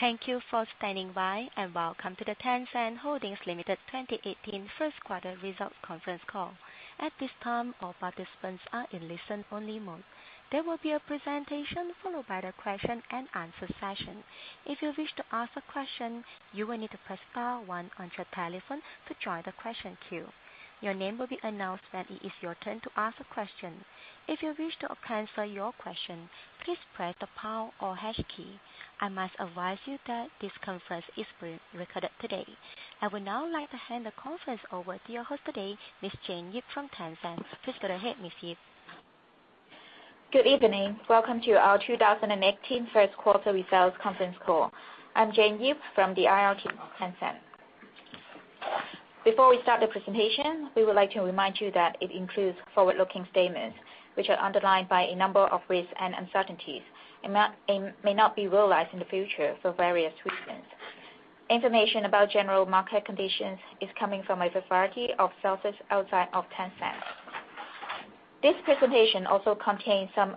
Thank you for standing by, and welcome to the Tencent Holdings Limited 2018 first quarter results conference call. At this time, all participants are in listen-only mode. There will be a presentation, followed by the question and answer session. If you wish to ask a question, you will need to press star one on your telephone to join the question queue. Your name will be announced when it is your turn to ask a question. If you wish to cancel your question, please press the pound or hash key. I must advise you that this conference is being recorded today. I would now like to hand the conference over to your host today, Ms. Jane Yip from Tencent. Please go ahead, Ms. Yip. Good evening. Welcome to our 2018 first quarter results conference call. I'm Jane Yip from the IR team of Tencent. Before we start the presentation, we would like to remind you that it includes forward-looking statements, which are underlined by a number of risks and uncertainties and may not be realized in the future for various reasons. Information about general market conditions is coming from a variety of sources outside of Tencent. This presentation also contains some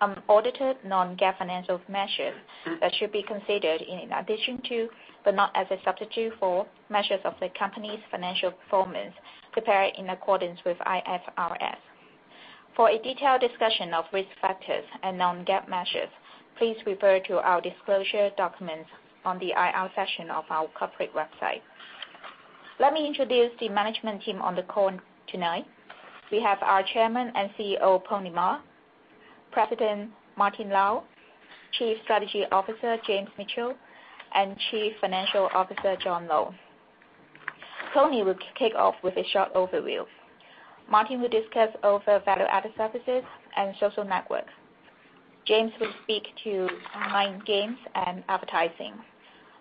unaudited non-GAAP financial measures that should be considered in addition to, but not as a substitute for, measures of the company's financial performance prepared in accordance with IFRS. For a detailed discussion of risk factors and non-GAAP measures, please refer to our disclosure documents on the IR section of our corporate website. Let me introduce the management team on the call tonight. We have our chairman and CEO, Ma Huateng; president, Martin Lau; chief strategy officer, James Mitchell; and chief financial officer, John Lo. Pony will kick off with a short overview. Martin will discuss over value-added services and social networks. James will speak to online games and advertising,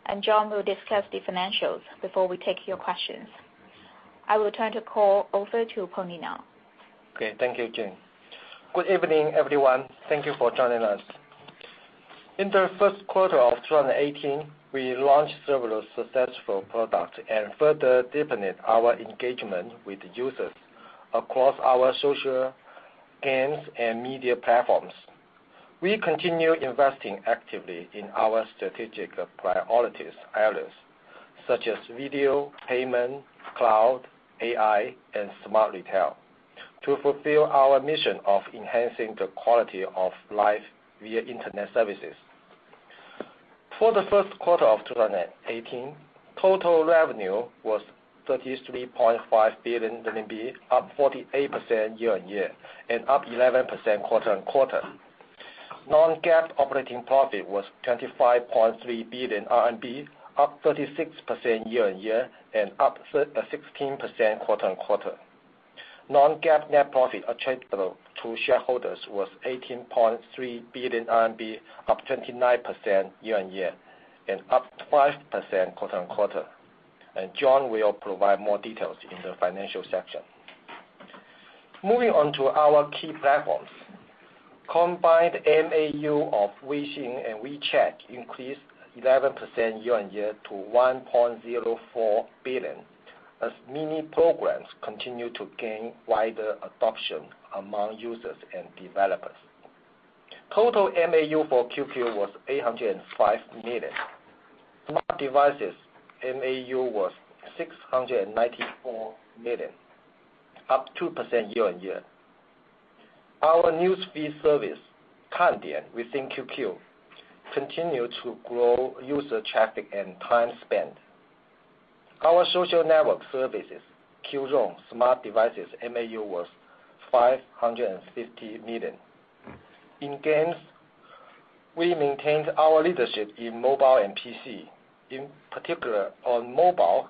and John will discuss the financials before we take your questions. I will turn the call over to Pony now. Okay. Thank you, Jane. Good evening, everyone. Thank you for joining us. In the first quarter of 2018, we launched several successful products and further deepened our engagement with users across our social games and media platforms. We continue investing actively in our strategic priorities areas such as video, payment, cloud, AI, and smart retail to fulfill our mission of enhancing the quality of life via internet services. For the first quarter of 2018, total revenue was 33.5 billion RMB, up 48% year-on-year, and up 11% quarter-on-quarter. Non-GAAP operating profit was 25.3 billion RMB, up 36% year-on-year, and up 16% quarter-on-quarter. Non-GAAP net profit attributable to shareholders was 18.3 billion RMB, up 29% year-on-year, and up 5% quarter-on-quarter. John will provide more details in the financial section. Moving on to our key platforms. Combined MAU of Weixin and WeChat increased 11% year-on-year to 1.04 billion, as mini-programs continue to gain wider adoption among users and developers. Total MAU for QQ was 805 million. Smart devices MAU was 694 million, up 2% year-on-year. Our news feed service, Kandian, within QQ continued to grow user traffic and time spent. Our social network services, Qzone, smart devices MAU was 550 million. In games, we maintained our leadership in mobile and PC. In particular, on mobile,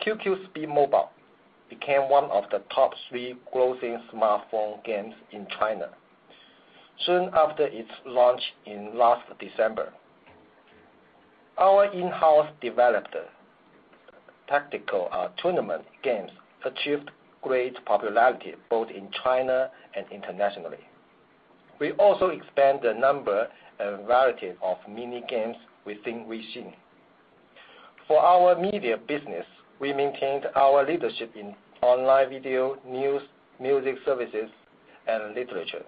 QQ Speed Mobile became one of the top three grossing smartphone games in China soon after its launch in last December. Our in-house developed tactical tournament games achieved great popularity both in China and internationally. We also expanded the number and variety of mini games within Weixin. For our media business, we maintained our leadership in online video, news, music services, and literature.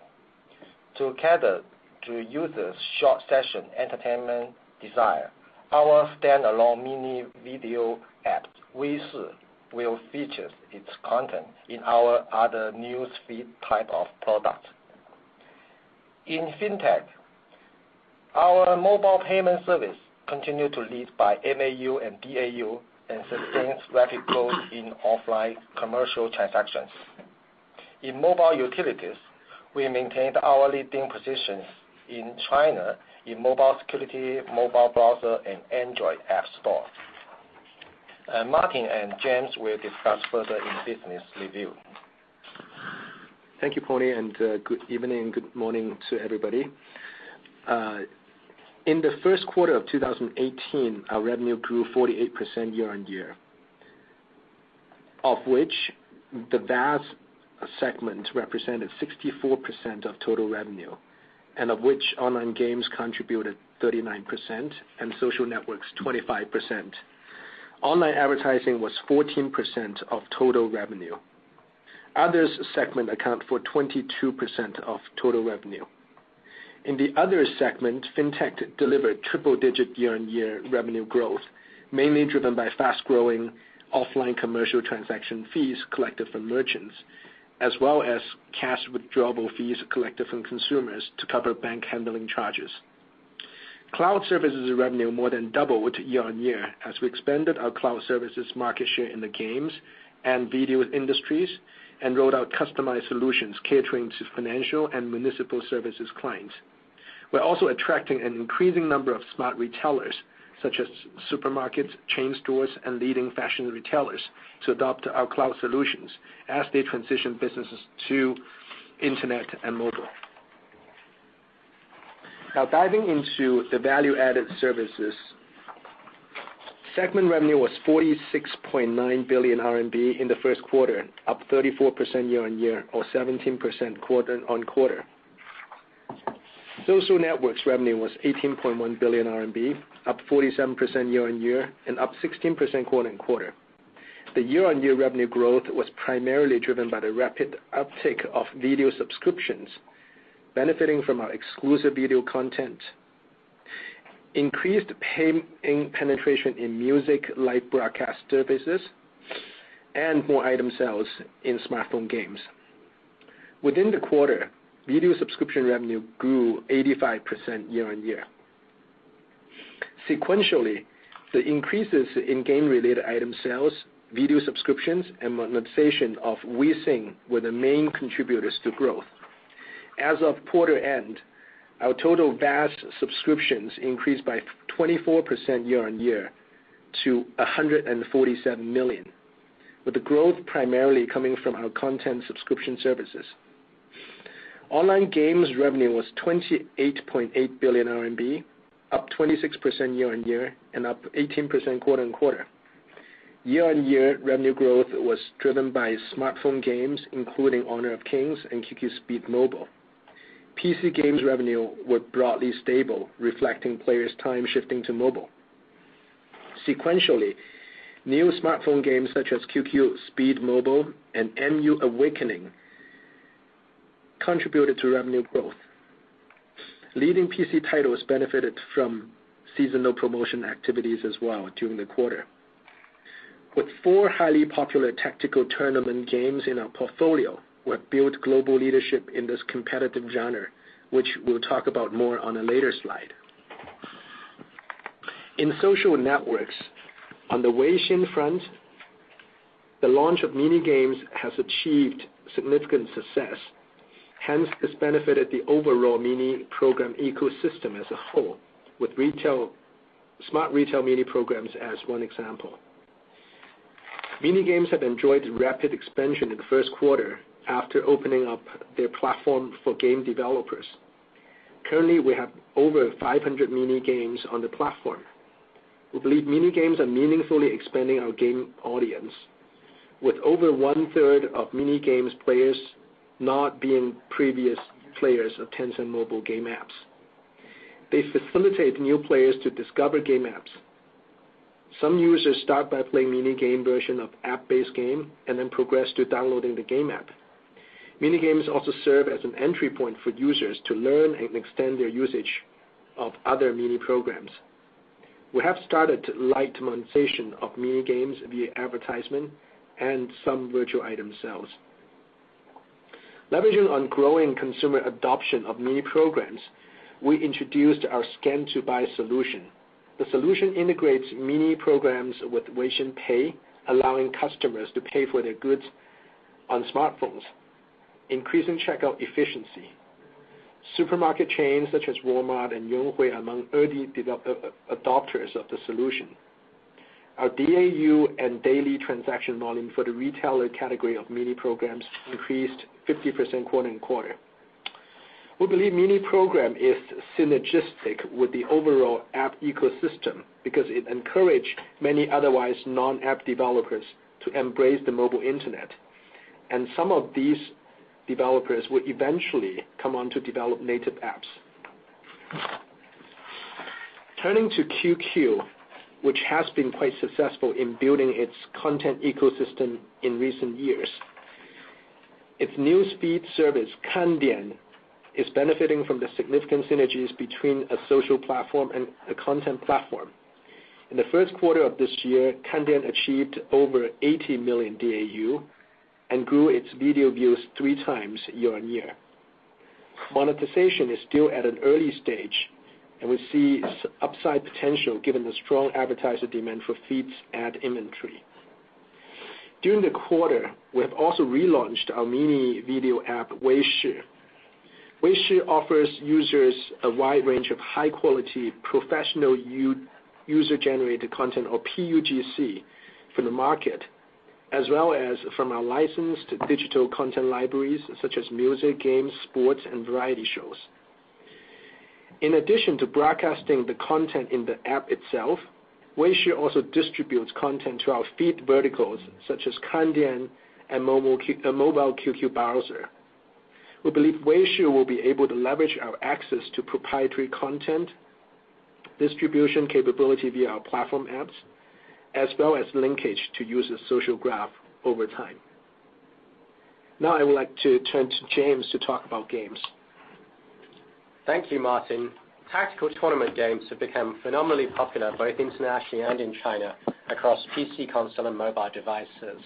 To cater to users' short session entertainment desire, our standalone mini-video app, Weishi, will feature its content in our other news feed type of product. In FinTech, our mobile payment service continued to lead by MAU and DAU and sustained rapid growth in offline commercial transactions. In mobile utilities, we maintained our leading positions in China, in mobile security, mobile browser, and Android app store. Martin and James will discuss further in business review. Thank you, Pony, good evening, good morning to everybody. In the first quarter of 2018, our revenue grew 48% year-on-year. Of which the VAS segment represented 64% of total revenue, of which online games contributed 39% and social networks 25%. Online advertising was 14% of total revenue. Others segment account for 22% of total revenue. In the others segment, FinTech delivered triple digit year-on-year revenue growth, mainly driven by fast-growing offline commercial transaction fees collected from merchants, as well as cash withdrawable fees collected from consumers to cover bank handling charges. Cloud services revenue more than doubled year-on-year as we expanded our cloud services market share in the games and video industries, and rolled out customized solutions catering to financial and municipal services clients. We're also attracting an increasing number of smart retailers, such as supermarkets, chain stores, and leading fashion retailers to adopt our cloud solutions as they transition businesses to internet and mobile. Diving into the value-added services. Segment revenue was 46.9 billion RMB in the first quarter, up 34% year-on-year or 17% quarter-on-quarter. Social networks revenue was 18.1 billion RMB, up 47% year-on-year and up 16% quarter-on-quarter. The year-on-year revenue growth was primarily driven by the rapid uptake of video subscriptions, benefiting from our exclusive video content, increased paying penetration in music, live broadcast services, and more item sales in smartphone games. Within the quarter, video subscription revenue grew 85% year-on-year. Sequentially, the increases in game-related item sales, video subscriptions, and monetization of WeSing were the main contributors to growth. As of quarter end, our total VAS subscriptions increased by 24% year-over-year to 147 million, with the growth primarily coming from our content subscription services. Online games revenue was 28.8 billion RMB, up 26% year-over-year and up 18% quarter-over-quarter. Year-over-year revenue growth was driven by smartphone games, including Honor of Kings and QQ Speed Mobile. PC games revenue was broadly stable, reflecting players' time shifting to mobile. Sequentially, new smartphone games such as QQ Speed Mobile and MU Awakening contributed to revenue growth. Leading PC titles benefited from seasonal promotion activities as well during the quarter. With 4 highly popular tactical tournament games in our portfolio, we have built global leadership in this competitive genre, which we'll talk about more on a later slide. In social networks, on the Weixin front, the launch of mini games has achieved significant success, hence has benefited the overall mini program ecosystem as a whole, with smart retail mini programs as 1 example. Mini games have enjoyed rapid expansion in the 1st quarter after opening up their platform for game developers. Currently, we have over 500 mini games on the platform. We believe mini games are meaningfully expanding our game audience, with over one-third of mini games players not being previous players of Tencent mobile game apps. They facilitate new players to discover game apps. Some users start by playing mini game version of app-based game and then progress to downloading the game app. Mini games also serve as an entry point for users to learn and extend their usage of other mini programs. We have started light monetization of mini games via advertisement and some virtual item sales. Leveraging on growing consumer adoption of mini programs, we introduced our scan to buy solution. The solution integrates mini programs with Weixin Pay, allowing customers to pay for their goods on smartphones, increasing checkout efficiency. Supermarket chains such as Walmart and Yonghui are among early adopters of the solution. Our DAU and daily transaction volume for the retailer category of mini programs increased 50% quarter-over-quarter. We believe mini program is synergistic with the overall app ecosystem because it encouraged many otherwise non-app developers to embrace the mobile internet, and some of these developers will eventually come on to develop native apps. Turning to QQ, which has been quite successful in building its content ecosystem in recent years. Its news feed service, Kandian, is benefiting from the significant synergies between a social platform and a content platform. In the 1st quarter of this year, Kandian achieved over 80 million DAU and grew its video views three times year-over-year. Monetization is still at an early stage, and we see upside potential given the strong advertiser demand for feeds ad inventory. During the quarter, we have also relaunched our mini video app, Weishi. Weishi offers users a wide range of high-quality professional user-generated content or PUGC from the market, as well as from our licensed digital content libraries such as music, games, sports, and variety shows. In addition to broadcasting the content in the app itself, Weishi also distributes content to our feed verticals such as Kandian and mobile QQ browser. We believe Weishi will be able to leverage our access to proprietary content distribution capability via our platform apps, as well as linkage to user social graph over time. I would like to turn to James to talk about games. Thank you, Martin. Tactical tournament games have become phenomenally popular, both internationally and in China, across PC, console and mobile devices.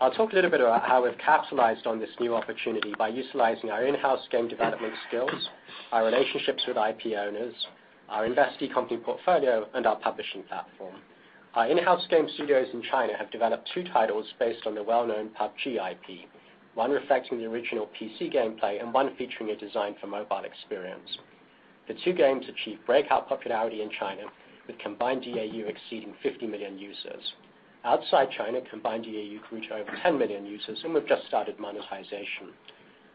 I'll talk a little bit about how we've capitalized on this new opportunity by utilizing our in-house game development skills, our relationships with IP owners, our investee company portfolio, and our publishing platform. Our in-house game studios in China have developed two titles based on the well-known PUBG IP, one reflecting the original PC gameplay and one featuring a design for mobile experience. The two games achieved breakout popularity in China, with combined DAU exceeding 50 million users. Outside China, combined DAU can reach over 10 million users, and we've just started monetization.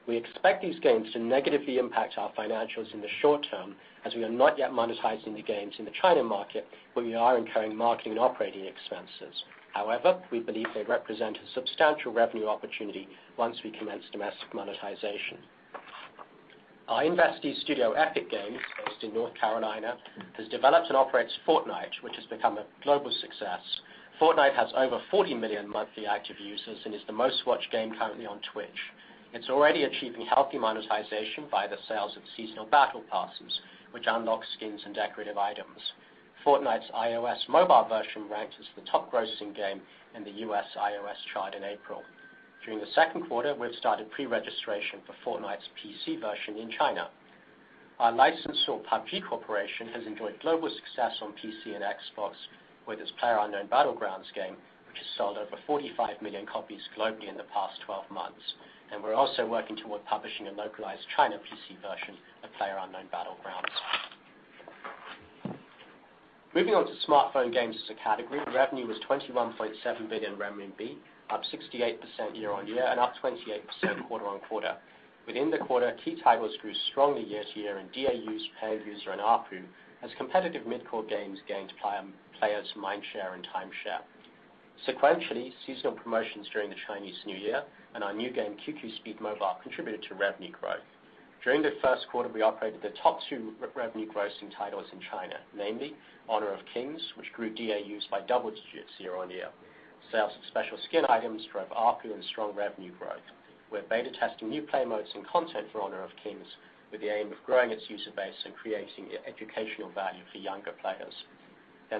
We expect these games to negatively impact our financials in the short term, as we are not yet monetizing the games in the China market, but we are incurring marketing and operating expenses. We believe they represent a substantial revenue opportunity once we commence domestic monetization. Our investee studio, Epic Games, based in North Carolina, has developed and operates Fortnite, which has become a global success. Fortnite has over 40 million monthly active users and is the most-watched game currently on Twitch. It's already achieving healthy monetization via the sales of seasonal battle passes, which unlock skins and decorative items. Fortnite's iOS mobile version ranked as the top grossing game in the U.S. iOS chart in April. During the second quarter, we've started pre-registration for Fortnite's PC version in China. Our license for PUBG Corporation has enjoyed global success on PC and Xbox with its PlayerUnknown's Battlegrounds game, which has sold over 45 million copies globally in the past 12 months. We're also working toward publishing a localized China PC version of PlayerUnknown's Battlegrounds. Moving on to smartphone games as a category, revenue was 21.7 billion renminbi, up 68% year-on-year and up 28% quarter-on-quarter. Within the quarter, key titles grew strongly year-to-year in DAUs, paying user, and ARPU, as competitive mid-core games gained players mind share and time share. Sequentially, seasonal promotions during the Chinese New Year and our new game, QQ Speed Mobile, contributed to revenue growth. During the first quarter, we operated the top two revenue-grossing titles in China, namely Honor of Kings, which grew DAUs by double digits year-on-year. Sales of special skin items drove ARPU and strong revenue growth. We're beta testing new play modes and content for Honor of Kings with the aim of growing its user base and creating educational value for younger players.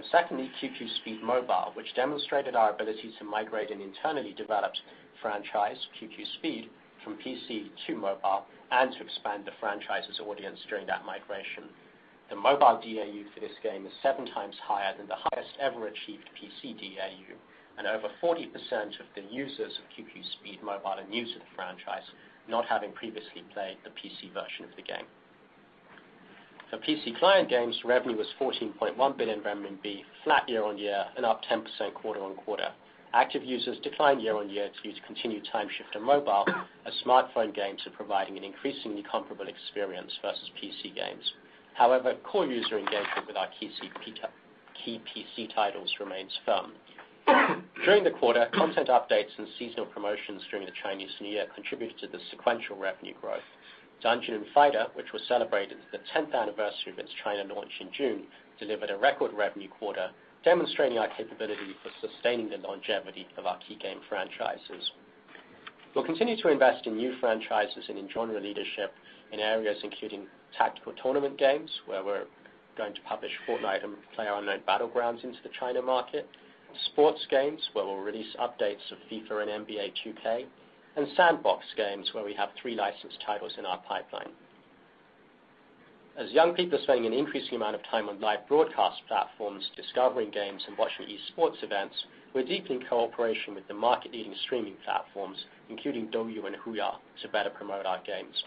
Secondly, QQ Speed Mobile, which demonstrated our ability to migrate an internally-developed franchise, QQ Speed, from PC to mobile and to expand the franchise's audience during that migration. The mobile DAU for this game is 7 times higher than the highest ever achieved PC DAU, and over 40% of the users of QQ Speed Mobile are new to the franchise, not having previously played the PC version of the game. For PC client games, revenue was 14.1 billion RMB, flat year-on-year and up 10% quarter-on-quarter. Active users declined year-on-year due to continued time shift to mobile, as smartphone games are providing an increasingly comparable experience versus PC games. However, core user engagement with our key PC titles remains firm. During the quarter, content updates and seasonal promotions during the Chinese New Year contributed to the sequential revenue growth. Dungeon & Fighter, which will celebrate the 10th anniversary of its China launch in June, delivered a record revenue quarter, demonstrating our capability for sustaining the longevity of our key game franchises. We will continue to invest in new franchises and in genre leadership in areas including tactical tournament games, where we are going to publish Fortnite and PlayerUnknown's Battlegrounds into the China market; sports games, where we will release updates of FIFA and NBA 2K; and sandbox games, where we have three licensed titles in our pipeline. As young people are spending an increasing amount of time on live broadcast platforms discovering games and watching e-sports events, we are deepening cooperation with the market-leading streaming platforms, including DouYu and HUYA, to better promote our games.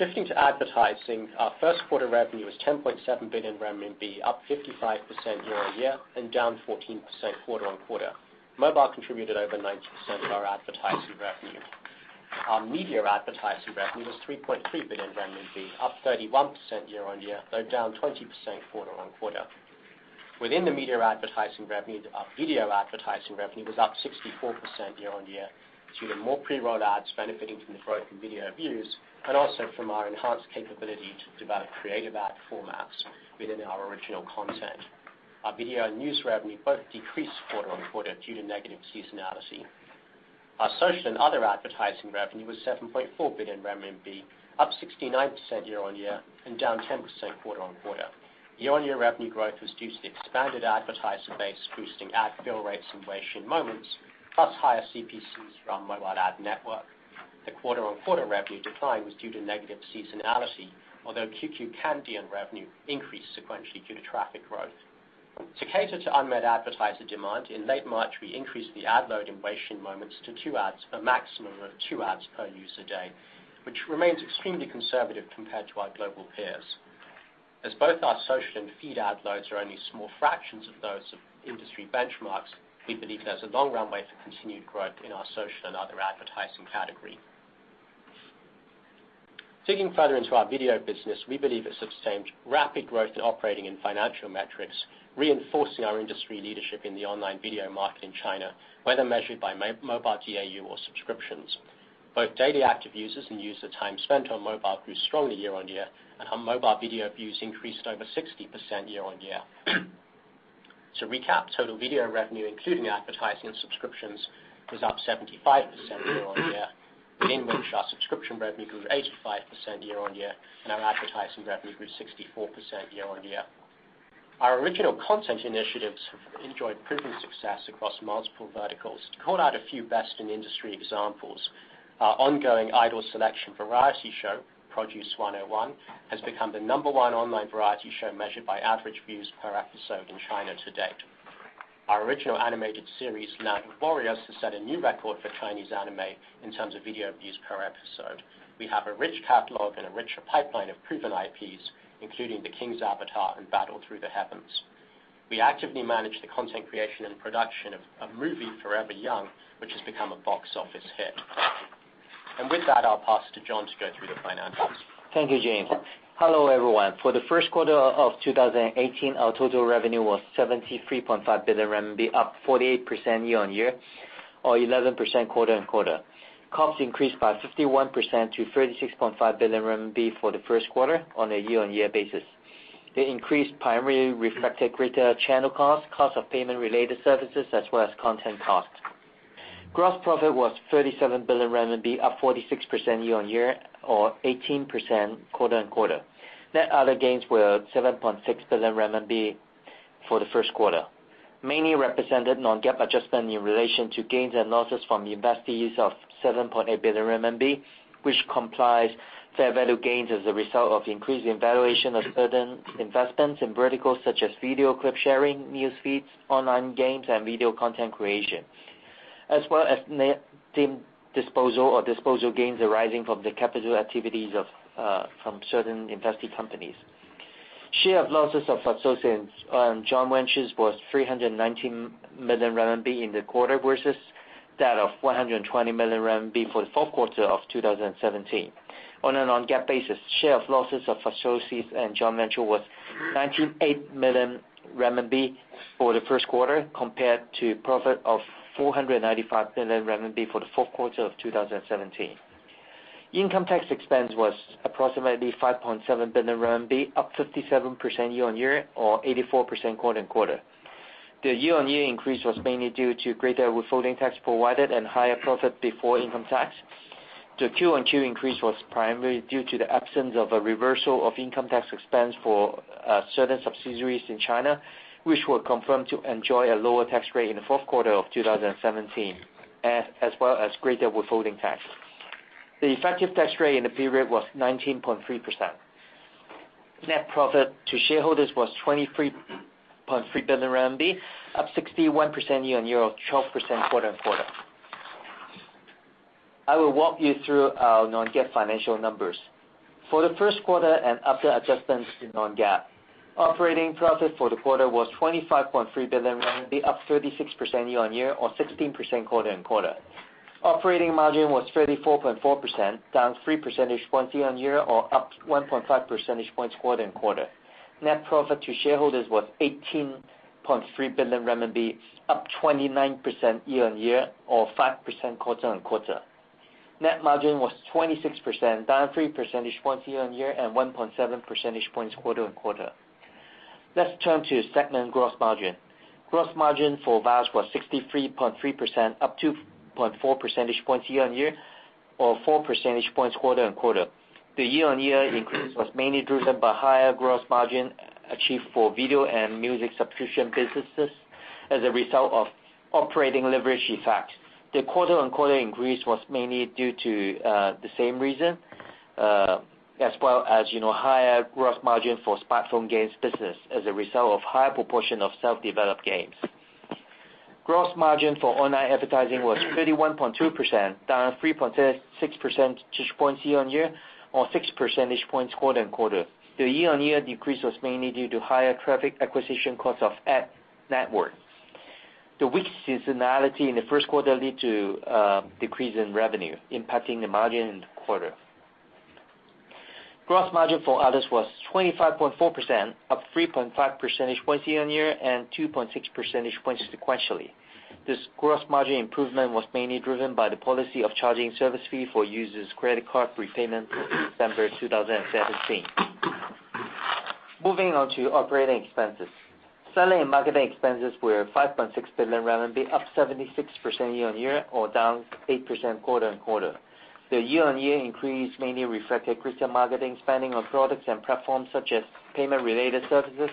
Shifting to advertising, our first quarter revenue was 10.7 billion RMB, up 55% year-on-year and down 14% quarter-on-quarter. Mobile contributed over 90% of our advertising revenue. Our media advertising revenue was 3.3 billion renminbi, up 31% year-on-year, though down 20% quarter-on-quarter. Within the media advertising revenue, our video advertising revenue was up 64% year-on-year due to more pre-roll ads benefiting from the growth in video views and also from our enhanced capability to develop creative ad formats within our original content. Our video and news revenue both decreased quarter-on-quarter due to negative seasonality. Our social and other advertising revenue was 7.4 billion RMB, up 69% year-on-year and down 10% quarter-on-quarter. Year-on-year revenue growth was due to the expanded advertising base boosting ad fill rates in Weixin Moments, plus higher CPCs from mobile ad network. The quarter-on-quarter revenue decline was due to negative seasonality, although QQ Kandian revenue increased sequentially due to traffic growth. To cater to unmet advertiser demand, in late March, we increased the ad load in Weixin Moments to a maximum of two ads per user day, which remains extremely conservative compared to our global peers. As both our social and feed ad loads are only small fractions of those of industry benchmarks, we believe there is a long runway for continued growth in our social and other advertising category. Digging further into our video business, we believe it sustained rapid growth in operating and financial metrics, reinforcing our industry leadership in the online video market in China, whether measured by mobile DAU or subscriptions. Both daily active users and user time spent on mobile grew strongly year-on-year, and our mobile video views increased over 60% year-on-year. To recap, total video revenue, including advertising and subscriptions, was up 75% year-on-year, in which our subscription revenue grew 85% year-on-year. Our advertising revenue grew 64% year-on-year. Our original content initiatives have enjoyed proven success across multiple verticals. To call out a few best-in-industry examples, our ongoing idol selection variety show, "Produce 101," has become the number 1 online variety show measured by average views per episode in China to date. Our original animated series, "Knights & Warriors," has set a new record for Chinese anime in terms of video views per episode. We have a rich catalog and a richer pipeline of proven IPs, including "The King's Avatar" and "Battle Through the Heavens." We actively manage the content creation and production of movie "Forever Young," which has become a box office hit. With that, I'll pass to John to go through the financials. Thank you, James. Hello, everyone. For the first quarter of 2018, our total revenue was 73.5 billion RMB, up 48% year-on-year or 11% quarter-on-quarter. Costs increased by 51% to 36.5 billion RMB for the first quarter on a year-on-year basis. The increase primarily reflected greater channel costs, cost of payment-related services, as well as content costs. Gross profit was 37 billion RMB, up 46% year-on-year or 18% quarter-on-quarter. Net other gains were 7.6 billion RMB for the first quarter, mainly represented non-GAAP adjustment in relation to gains and losses from investees of 7.8 billion RMB, which comprises fair value gains as a result of increased valuation of certain investments in verticals such as video clip sharing, news feeds, online games, and video content creation, as well as net disposal or disposal gains arising from the capital activities from certain invested companies. Share of losses of associates and joint ventures was 319 million RMB in the quarter versus that of 120 million RMB for the fourth quarter of 2017. On a non-GAAP basis, share of losses of associates and joint venture was 98 million renminbi for the first quarter, compared to profit of 495 million renminbi for the fourth quarter of 2017. Income tax expense was approximately 5.7 billion RMB, up 57% year-on-year or 84% quarter-on-quarter. The year-on-year increase was mainly due to greater withholding tax provided and higher profit before income tax. The Q-on-Q increase was primarily due to the absence of a reversal of income tax expense for certain subsidiaries in China, which were confirmed to enjoy a lower tax rate in the fourth quarter of 2017, as well as greater withholding tax. The effective tax rate in the period was 19.3%. Net profit to shareholders was 23.3 billion RMB, up 61% year-on-year or 12% quarter-on-quarter. I will walk you through our non-GAAP financial numbers. For the first quarter and after adjustments to non-GAAP, operating profit for the quarter was 25.3 billion, up 36% year-on-year or 16% quarter-on-quarter. Operating margin was 34.4%, down 3 percentage points year-on-year or up 1.5 percentage points quarter-on-quarter. Net profit to shareholders was 18.3 billion RMB, up 29% year-on-year or 5% quarter-on-quarter. Net margin was 26%, down 3 percentage points year-on-year and 1.7 percentage points quarter-on-quarter. Let's turn to segment gross margin. Gross margin for VAS was 63.3%, up 2.4 percentage points year-on-year or 4 percentage points quarter-on-quarter. The year-on-year increase was mainly driven by higher gross margin achieved for video and music subscription businesses as a result of operating leverage effect. The quarter-on-quarter increase was mainly due to the same reason, as well as higher gross margin for platform games business as a result of higher proportion of self-developed games. Gross margin for online advertising was 31.2%, down 3.6 percentage points year-on-year or 6 percentage points quarter-on-quarter. The year-on-year decrease was mainly due to higher traffic acquisition cost of ad network. The weak seasonality in the first quarter led to a decrease in revenue, impacting the margin in the quarter. Gross margin for others was 25.4%, up 3.5 percentage points year-on-year and 2.6 percentage points sequentially. This gross margin improvement was mainly driven by the policy of charging service fee for users' credit card repayment for December 2017. Moving on to operating expenses. Selling and marketing expenses were 5.6 billion RMB, up 76% year-on-year or down 8% quarter-on-quarter. The year-on-year increase mainly reflected greater marketing spending on products and platforms such as payment-related services,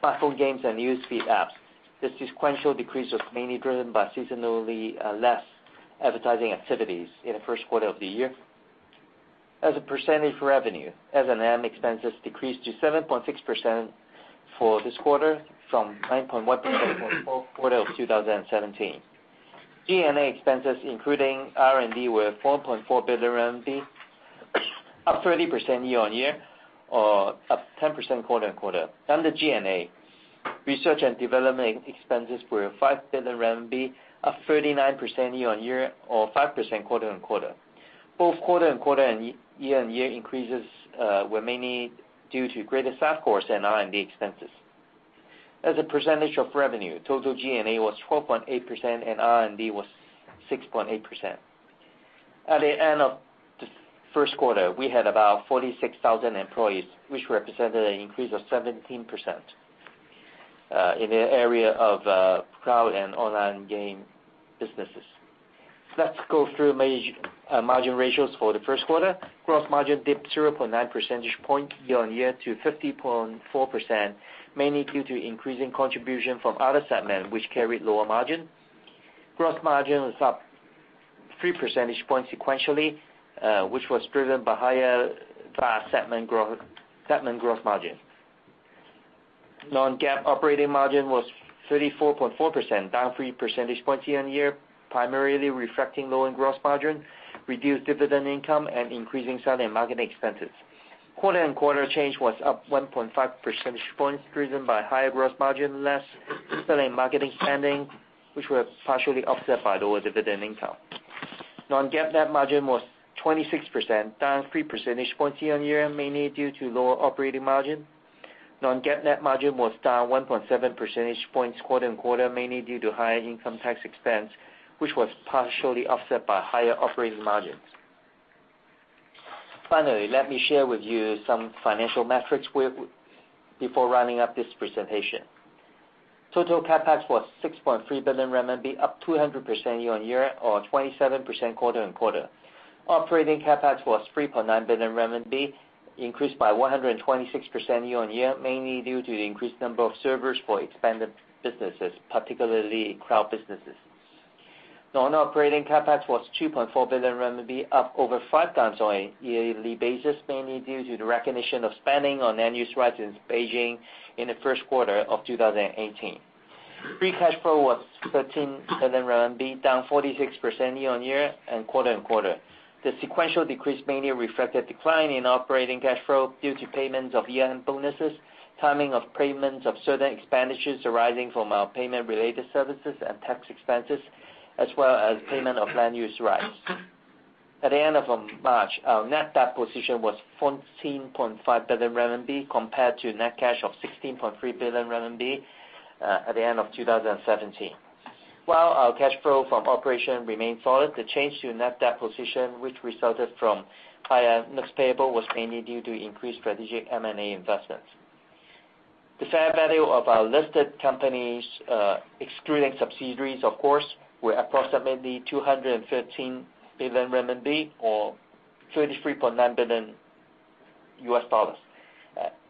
platform games, and news feed apps. This sequential decrease was mainly driven by seasonally less advertising activities in the first quarter of the year. As a percentage revenue, S&M expenses decreased to 7.6% for this quarter from 9.1% for the fourth quarter of 2017. G&A expenses, including R&D, were 4.4 billion RMB, up 30% year-on-year or up 10% quarter-on-quarter. Under G&A Research and Development expenses were 5 billion RMB, up 39% year-on-year or 5% quarter-on-quarter. Both quarter-on-quarter and year-on-year increases were mainly due to greater staff costs and R&D expenses. As a percentage of revenue, total G&A was 12.8% and R&D was 6.8%. At the end of the first quarter, we had about 46,000 employees, which represented an increase of 17% in the area of cloud and online game businesses. Let's go through major margin ratios for the first quarter. Gross margin dipped 0.9 percentage points year-on-year to 50.4%, mainly due to increasing contribution from other segments, which carried lower margin. Gross margin was up 3 percentage points sequentially, which was driven by higher segment growth margin. Non-GAAP operating margin was 34.4%, down 3 percentage points year-on-year, primarily reflecting lower gross margin, reduced dividend income, and increasing selling and marketing expenses. Quarter-on-quarter change was up 1.5 percentage points, driven by higher gross margin, less selling and marketing spending, which were partially offset by lower dividend income. Non-GAAP net margin was 26%, down 3 percentage points year-on-year, mainly due to lower operating margin. Non-GAAP net margin was down 1.7 percentage points quarter-on-quarter, mainly due to higher income tax expense, which was partially offset by higher operating margins. Finally, let me share with you some financial metrics before wrapping up this presentation. Total CapEx was 6.3 billion RMB, up 200% year-on-year or 27% quarter-on-quarter. Operating CapEx was 3.9 billion renminbi, increased by 126% year-on-year, mainly due to the increased number of servers for expanded businesses, particularly cloud businesses. Non-operating CapEx was 2.4 billion RMB, up over five times on a yearly basis, mainly due to the recognition of spending on land use rights in Beijing in the first quarter of 2018. Free cash flow was 13 billion RMB, down 46% year-on-year and quarter-on-quarter. The sequential decrease mainly reflected decline in operating cash flow due to payments of year-end bonuses, timing of payments of certain expenditures arising from our payment-related services and tax expenses, as well as payment of land use rights. At the end of March, our net debt position was 14.5 billion RMB compared to net cash of 16.3 billion RMB at the end of 2017. While our cash flow from operation remained solid, the change to net debt position, which resulted from higher notes payable was mainly due to increased strategic M&A investments. The fair value of our listed companies, excluding subsidiaries of course, were approximately 213 billion RMB or $33.9 billion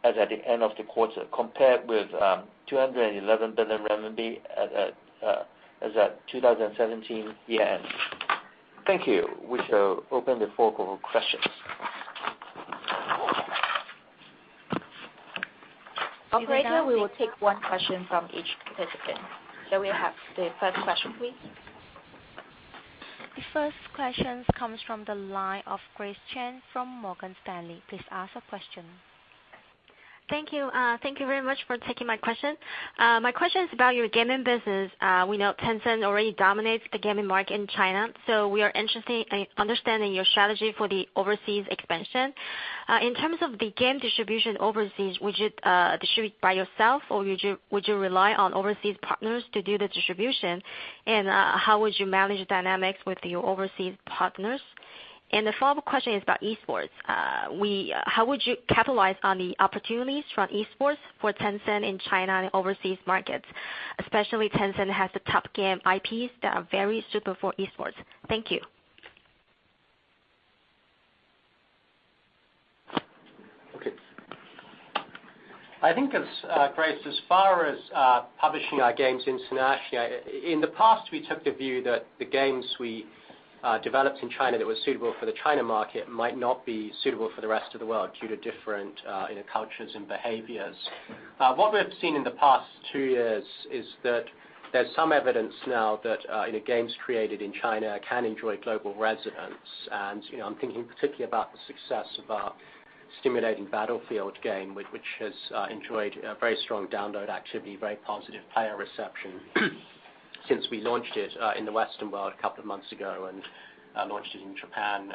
as at the end of the quarter, compared with 211 billion RMB as at 2017 year-end. Thank you. We shall open the floor for questions. Operator, we will take one question from each participant. Can we have the first question, please? The first question comes from the line of Grace Chen from Morgan Stanley. Please ask a question. Thank you. Thank you very much for taking my question. My question is about your gaming business. We know Tencent already dominates the gaming market in China, so we are interested in understanding your strategy for the overseas expansion. In terms of the game distribution overseas, would you distribute by yourself, or would you rely on overseas partners to do the distribution? How would you manage the dynamics with your overseas partners? The follow-up question is about esports. How would you capitalize on the opportunities from esports for Tencent in China and overseas markets? Especially Tencent has the top game IPs that are very suitable for esports. Thank you. Okay. I think as, Grace, as far as publishing our games internationally, in the past, we took the view that the games we developed in China that were suitable for the China market might not be suitable for the rest of the world due to different cultures and behaviors. What we've seen in the past two years is that there's some evidence now that games created in China can enjoy global resonance. I'm thinking particularly about the success of our Stimulating Battlefield game, which has enjoyed a very strong download activity, very positive player reception since we launched it in the Western world a couple of months ago and launched it in Japan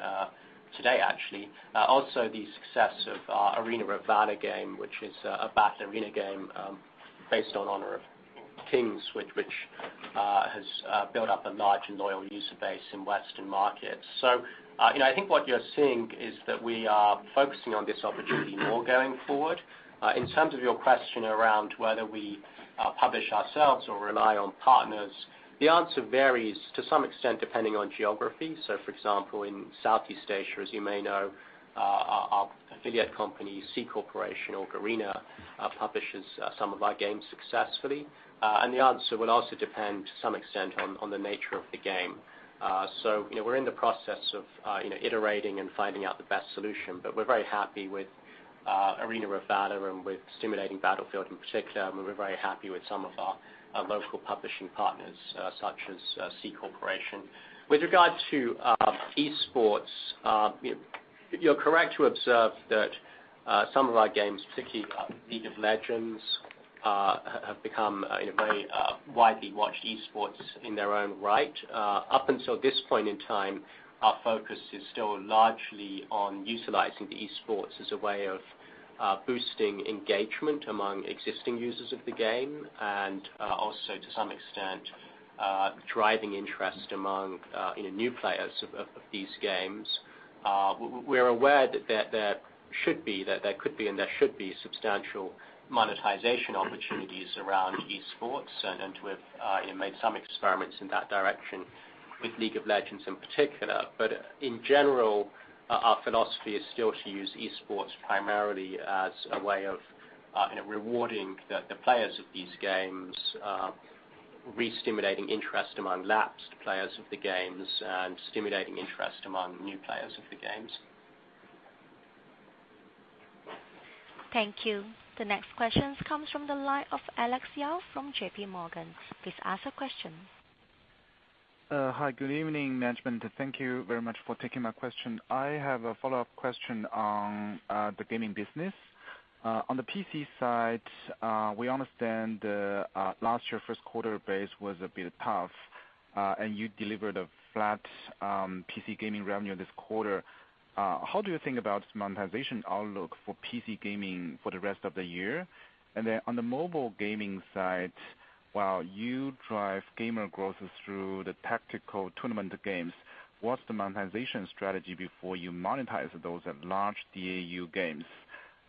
today, actually. Also, the success of our Arena of Valor game, which is a battle arena game based on Honor of Kings, which has built up a large and loyal user base in Western markets. I think what you're seeing is that we are focusing on this opportunity more going forward. In terms of your question around whether we publish ourselves or rely on partners, the answer varies to some extent depending on geography. For example, in Southeast Asia, as you may know, our affiliate company, Sea Ltd or Garena, publishes some of our games successfully. The answer will also depend to some extent on the nature of the game. We're in the process of iterating and finding out the best solution, but we're very happy with Arena of Valor and with Stimulating Battlefield in particular, and we're very happy with some of our local publishing partners, such as Sea Ltd. With regard to esports- You're correct to observe that some of our games, particularly League of Legends, have become very widely watched esports in their own right. Up until this point in time, our focus is still largely on utilizing the esports as a way of boosting engagement among existing users of the game, and also, to some extent, driving interest among new players of these games. We're aware that there could be, and there should be substantial monetization opportunities around esports, and we've made some experiments in that direction with League of Legends in particular. In general, our philosophy is still to use esports primarily as a way of rewarding the players of these games, re-stimulating interest among lapsed players of the games, and stimulating interest among new players of the games. Thank you. The next question comes from the line of Alex Yao from J.P. Morgan. Please ask your question. Hi. Good evening, management. Thank you very much for taking my question. I have a follow-up question on the gaming business. On the PC side, we understand last year first quarter base was a bit tough, and you delivered a flat PC gaming revenue this quarter. How do you think about monetization outlook for PC gaming for the rest of the year? On the mobile gaming side, while you drive gamer growth through the tactical tournament games, what's the monetization strategy before you monetize those at large DAU games?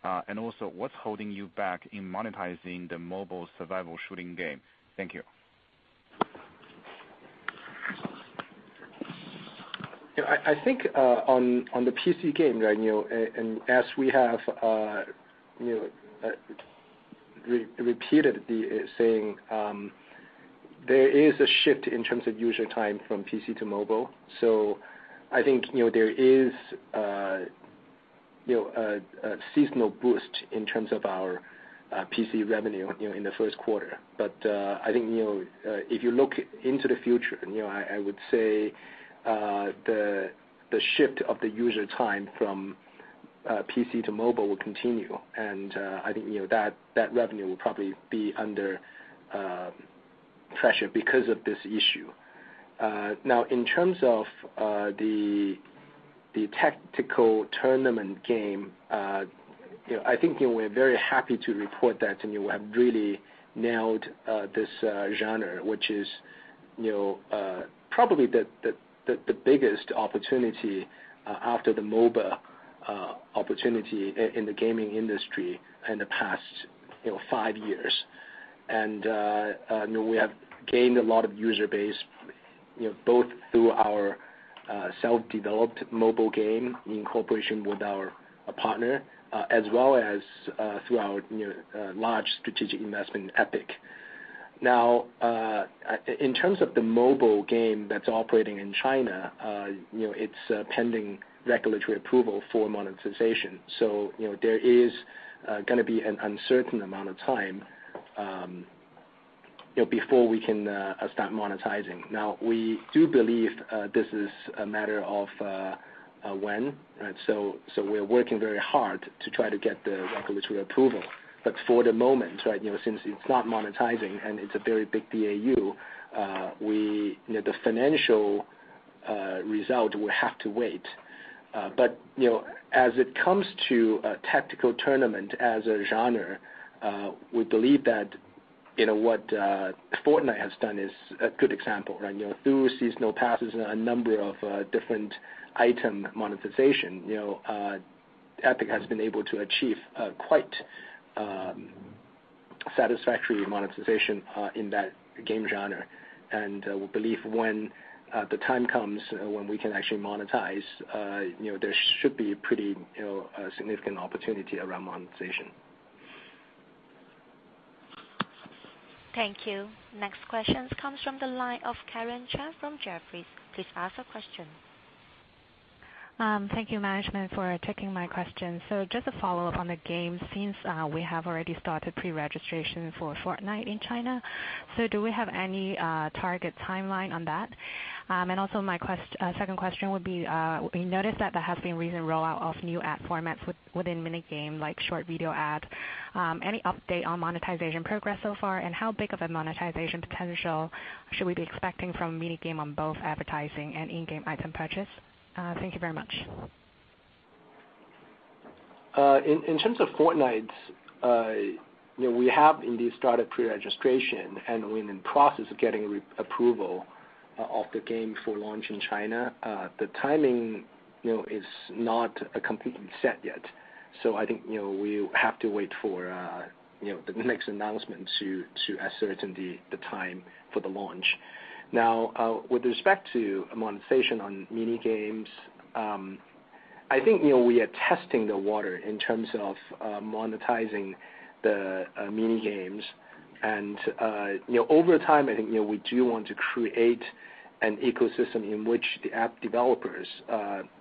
What's holding you back in monetizing the mobile survival shooting game? Thank you. I think on the PC game, as we have repeatedly saying, there is a shift in terms of user time from PC to mobile. I think there is a seasonal boost in terms of our PC revenue in the first quarter. I think if you look into the future, I would say the shift of the user time from PC to mobile will continue, and I think that revenue will probably be under pressure because of this issue. In terms of the tactical tournament game, I think we're very happy to report that we have really nailed this genre, which is probably the biggest opportunity after the MOBA opportunity in the gaming industry in the past five years. We have gained a lot of user base both through our self-developed mobile game in cooperation with our partner, as well as through our large strategic investment Epic. In terms of the mobile game that's operating in China, it's pending regulatory approval for monetization. There is going to be an uncertain amount of time before we can start monetizing. We do believe this is a matter of when, we're working very hard to try to get the regulatory approval. For the moment, since it's not monetizing and it's a very big DAU, the financial result will have to wait. As it comes to a tactical tournament as a genre, we believe that what Fortnite has done is a good example. Through seasonal passes and a number of different item monetization, Epic has been able to achieve quite satisfactory monetization in that game genre. We believe when the time comes when we can actually monetize, there should be a pretty significant opportunity around monetization. Thank you. Next question comes from the line of Karen Chan. from Jefferies. Please ask your question. Thank you, management, for taking my question. Just a follow-up on the game, since we have already started pre-registration for Fortnite in China. Do we have any target timeline on that? My second question would be, we noticed that there has been recent rollout of new ad formats within mini game, like short video ads. Any update on monetization progress so far? How big of a monetization potential should we be expecting from mini game on both advertising and in-game item purchase? Thank you very much. In terms of Fortnite, we have indeed started pre-registration. We're in the process of getting approval of the game for launch in China. The timing is not completely set yet, we have to wait for the next announcement to ascertain the time for the launch. With respect to monetization on mini games, we are testing the water in terms of monetizing the mini games. Over time, we do want to create an ecosystem in which the app developers,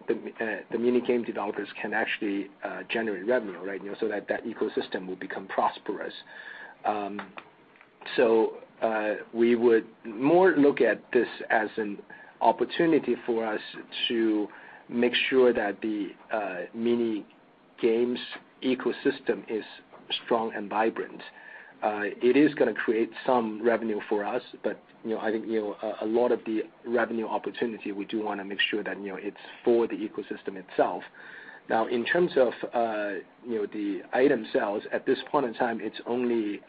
the mini game developers can actually generate revenue. That ecosystem will become prosperous. We would more look at this as an opportunity for us to make sure that the mini games ecosystem is strong and vibrant. It is going to create some revenue for us, but a lot of the revenue opportunity, we do want to make sure that it's for the ecosystem itself. In terms of the item sales, at this point in time, it's only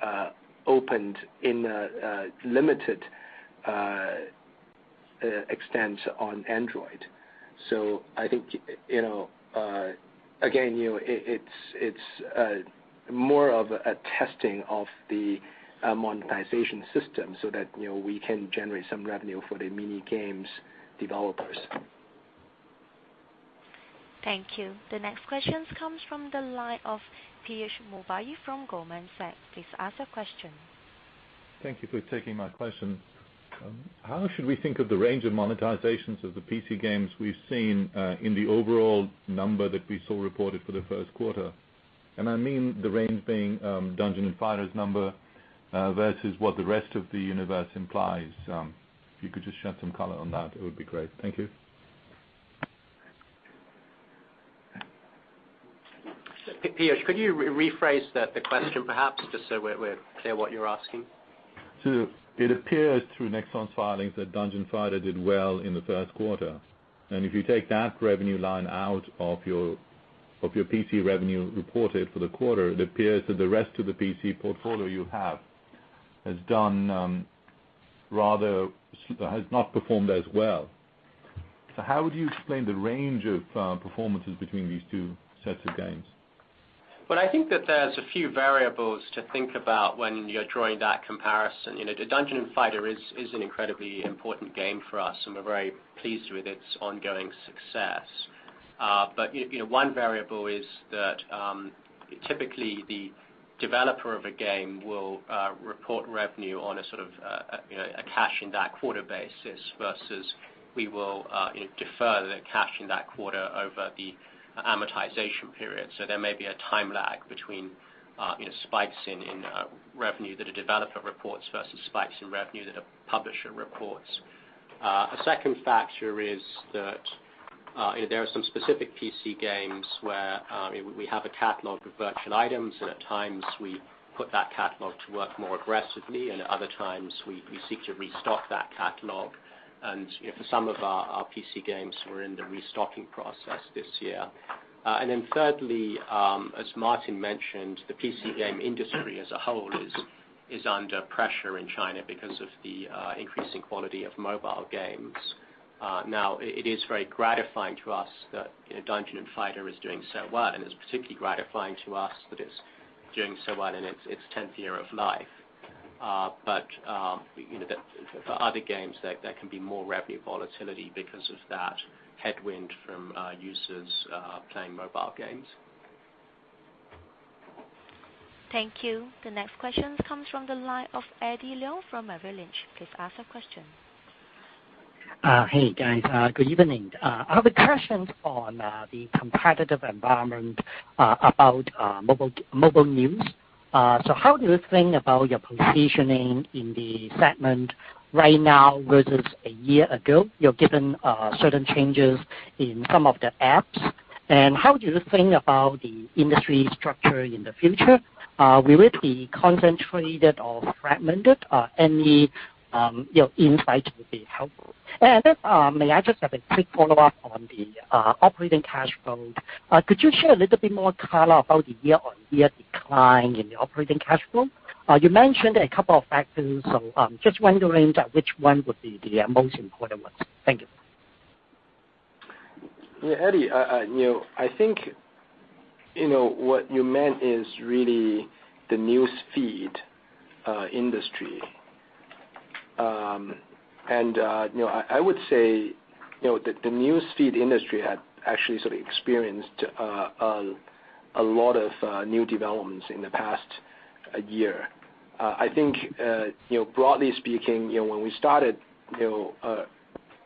opened in a limited extent on Android. Again, it's more of a testing of the monetization system so that we can generate some revenue for the mini games developers. Thank you. The next question comes from the line of Piyush Mubayi from Goldman Sachs. Please ask your question. Thank you for taking my question. How should we think of the range of monetizations of the PC games we've seen, in the overall number that we saw reported for the first quarter? I mean, the range being, Dungeon & Fighter's number, versus what the rest of the universe implies. If you could just shed some color on that, it would be great. Thank you. Piyush, could you rephrase the question perhaps, just so we're clear what you're asking? It appears through Nexon's filings that Dungeon Fighter did well in the first quarter, if you take that revenue line out of your PC revenue reported for the quarter, it appears that the rest of the PC portfolio you have has not performed as well. How would you explain the range of performances between these two sets of games? I think that there's a few variables to think about when you're drawing that comparison. "Dungeon & Fighter" is an incredibly important game for us, and we're very pleased with its ongoing success. One variable is that, typically the developer of a game will report revenue on a sort of a cash in that quarter basis versus we will defer the cash in that quarter over the amortization period. There may be a time lag between spikes in revenue that a developer reports versus spikes in revenue that a publisher reports. A second factor is that there are some specific PC games where we have a catalog of virtual items, and at times we put that catalog to work more aggressively, and at other times we seek to restock that catalog. For some of our PC games, we're in the restocking process this year. Thirdly, as Martin mentioned, the PC game industry as a whole is under pressure in China because of the increasing quality of mobile games. It is very gratifying to us that "Dungeon & Fighter" is doing so well, and it's particularly gratifying to us that it's doing so well in its tenth year of life. For other games, there can be more revenue volatility because of that headwind from users playing mobile games. Thank you. The next question comes from the line of Eddie Leung from Bank of America Merrill Lynch. Please ask your question. Hey, guys. Good evening. I have a question on the competitive environment, about mobile news. How do you think about your positioning in the segment right now versus a year ago, given certain changes in some of the apps? How do you think about the industry structure in the future? Will it be concentrated or fragmented? Any insight would be helpful. May I just have a quick follow-up on the operating cash flow. Could you share a little bit more color about the year-on-year decline in the operating cash flow? You mentioned a couple of factors, just wondering which one would be the most important ones. Thank you. Yeah, Eddie, I think what you meant is really the news feed industry. I would say the news feed industry had actually sort of experienced a lot of new developments in the past year. I think, broadly speaking, when we started,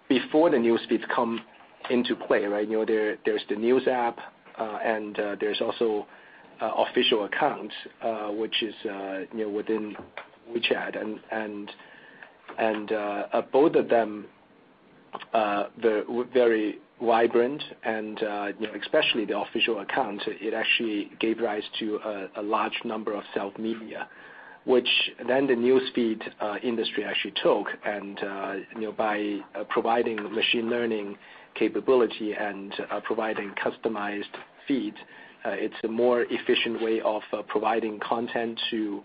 before the news feeds come into play, right? There's the news app, there's also official accounts, which is within WeChat and both of them, they're very vibrant and especially the official account, it actually gave rise to a large number of self-media. The news feed industry actually took and by providing machine learning capability and providing customized feeds, it's a more efficient way of providing content to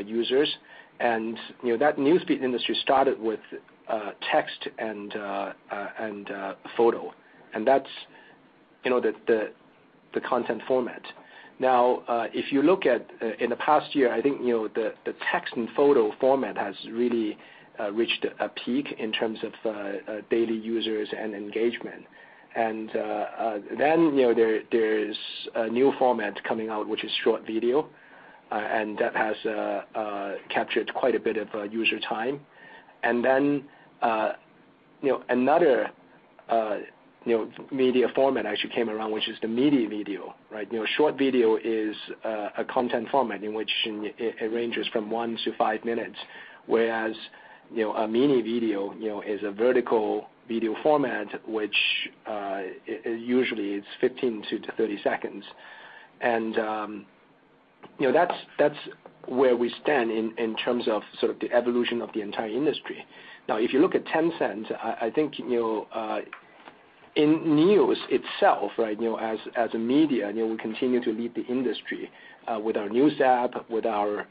users. That news feed industry started with text and photo, and that's the content format. Now, if you look at in the past year, I think the text and photo format has really reached a peak in terms of daily users and engagement. Then there's a new format coming out, which is short video, and that has captured quite a bit of user time. Another media format actually came around, which is the mini video. Short video is a content format in which it ranges from one to five minutes, whereas a mini video is a vertical video format, which usually it's 15 to 30 seconds. That's where we stand in terms of sort of the evolution of the entire industry. Now, if you look at Tencent, I think in news itself, as a media, we continue to lead the industry with our news app, with our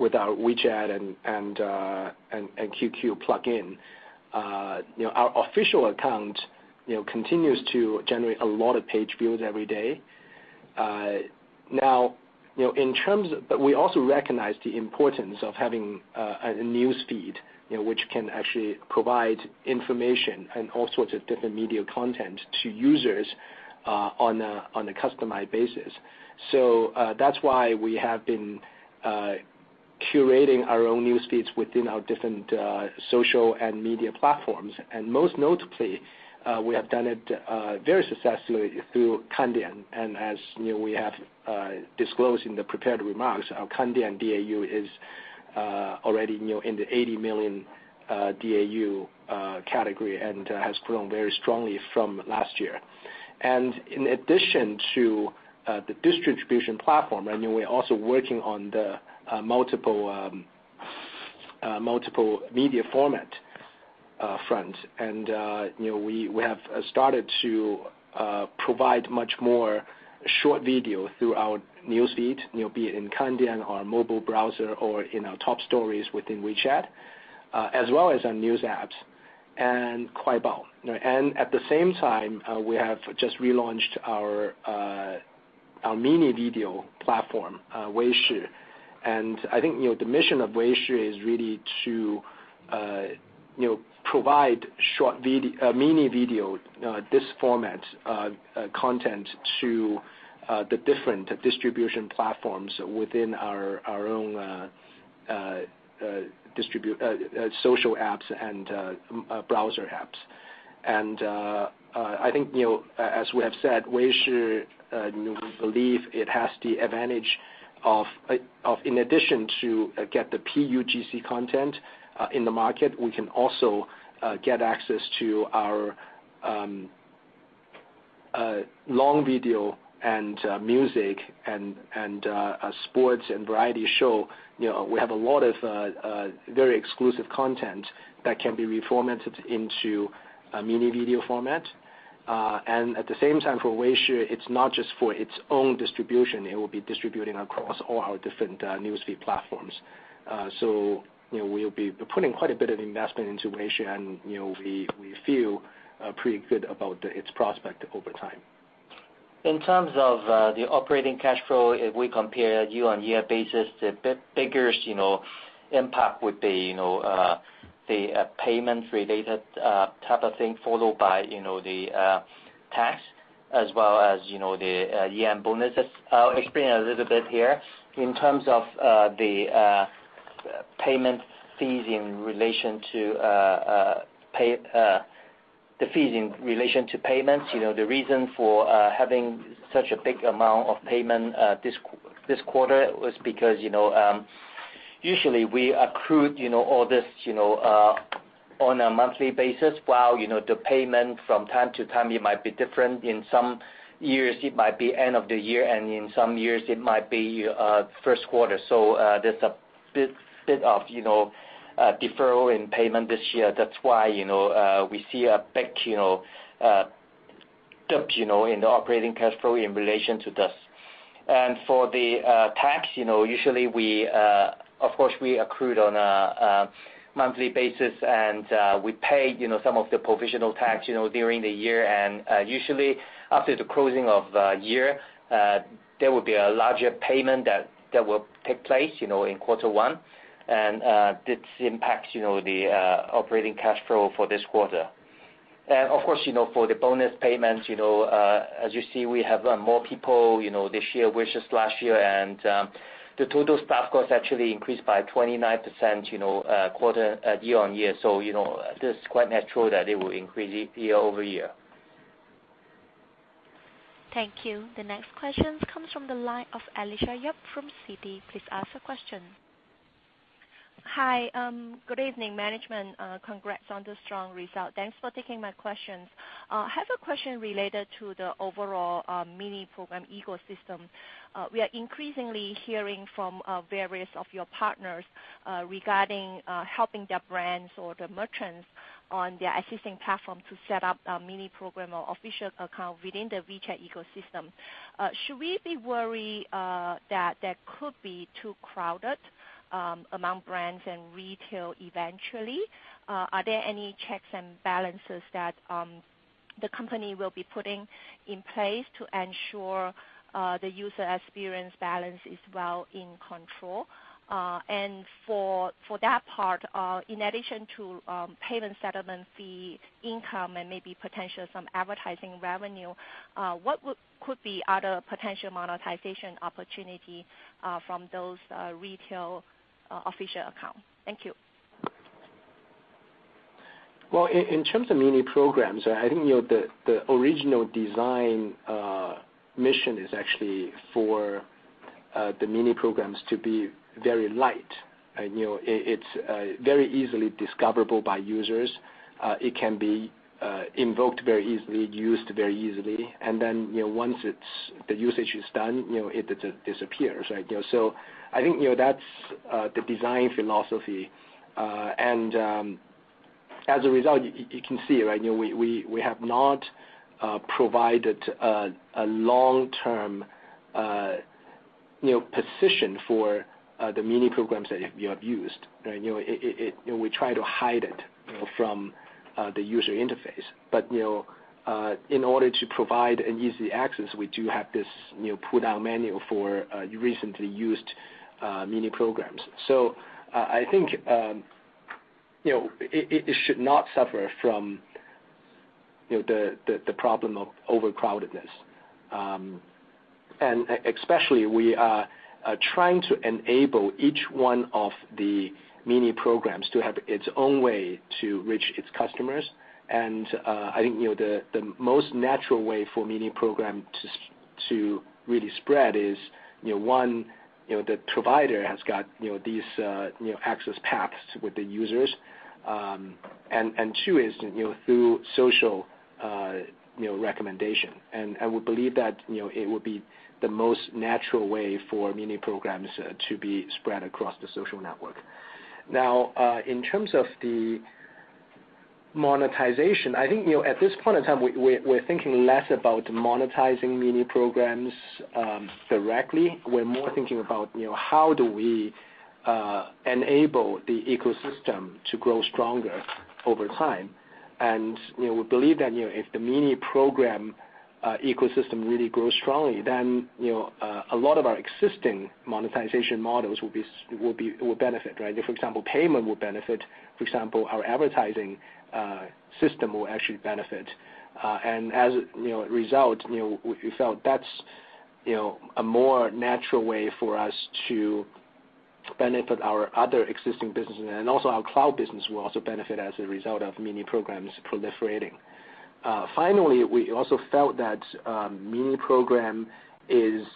WeChat and QQ plugin. Our official account continues to generate a lot of page views every day. We also recognize the importance of having a news feed which can actually provide information and all sorts of different media content to users on a customized basis. That's why we have been curating our own news feeds within our different social and media platforms. Most notably, we have done it very successfully through Kandian. As we have disclosed in the prepared remarks, our Kandian DAU is already in the 80 million DAU category and has grown very strongly from last year. In addition to the distribution platform, we're also working on the multiple media format front. We have started to provide much more short video through our newsfeed, be it in Kandian or mobile browser or in our top stories within WeChat, as well as on news apps and Kuaibao. At the same time, we have just relaunched our mini video platform, Weishi. I think, the mission of Weishi is really to provide mini video, this format content to the different distribution platforms within our own social apps and browser apps. I think as we have said, Weishi, we believe it has the advantage of in addition to get the PUGC content in the market, we can also get access to our long video and music and sports and variety show. We have a lot of very exclusive content that can be reformatted into a mini video format. At the same time for Weishi, it's not just for its own distribution. It will be distributing across all our different news feed platforms. We'll be putting quite a bit of investment into Weishi, and we feel pretty good about its prospect over time. In terms of the operating cash flow, if we compare year-on-year basis, the biggest impact would be the payments related type of thing, followed by the tax as well as the year-end bonuses. I'll explain a little bit here. In terms of the fees in relation to payments, the reason for having such a big amount of payment this quarter was because usually we accrued all this on a monthly basis, while the payment from time to time, it might be different. In some years, it might be end of the year, and in some years it might be first quarter. There's a bit of deferral in payment this year. That's why we see a big dip in the operating cash flow in relation to this. For the tax, of course we accrued on a monthly basis, and we paid some of the provisional tax during the year. Usually after the closing of year, there will be a larger payment that will take place in quarter one. This impacts the operating cash flow for this quarter. Of course, for the bonus payments, as you see, we have more people this year versus last year, and the total staff cost actually increased by 29% year-on-year. It is quite natural that it will increase year-over-year. Thank you. The next question comes from the line of Alicia Yap from Citi. Please ask the question. Hi. Good evening, management. Congrats on the strong result. Thanks for taking my questions. I have a question related to the overall mini program ecosystem. We are increasingly hearing from various of your partners regarding helping their brands or the merchants on their assisting platform to set up a mini program or official account within the WeChat ecosystem. Should we be worried that that could be too crowded among brands and retail eventually? Are there any checks and balances that the company will be putting in place to ensure the user experience balance is well in control? For that part, in addition to payment settlement fee income, and maybe potential some advertising revenue, what could be other potential monetization opportunity from those retail official account? Thank you. In terms of mini programs, I think the original design mission is actually for the mini programs to be very light. It's very easily discoverable by users. It can be invoked very easily, used very easily. Once the usage is done, it disappears. I think that's the design philosophy. As a result, you can see it. We have not provided a long-term position for the mini programs that you have used. We try to hide it from the user interface. In order to provide an easy access, we do have this pull-down menu for recently used mini programs. I think it should not suffer from the problem of overcrowdedness. Especially, we are trying to enable each one of the mini programs to have its own way to reach its customers. I think the most natural way for mini program to really spread is, one, the provider has got these access paths with the users. Two is through social recommendation. We believe that it will be the most natural way for mini programs to be spread across the social network. In terms of the monetization, I think at this point in time, we're thinking less about monetizing mini programs directly. We're more thinking about how do we enable the ecosystem to grow stronger over time. We believe that if the mini program ecosystem really grows strongly, then a lot of our existing monetization models will benefit. For example, payment will benefit. For example, our advertising system will actually benefit. As a result, we felt that's a more natural way for us to benefit our other existing businesses, and also our cloud business will also benefit as a result of mini programs proliferating. Finally, we also felt that mini program is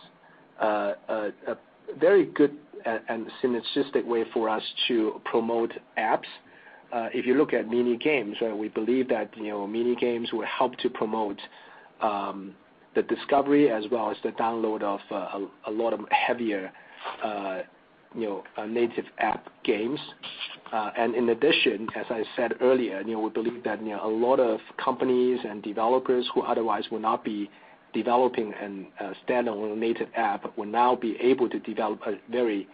a very good and synergistic way for us to promote apps. If you look at mini games, we believe that mini games will help to promote the discovery as well as the download of a lot of heavier native app games. In addition, as I said earlier, we believe that a lot of companies and developers who otherwise would not be developing a standalone native app will now be able to develop a very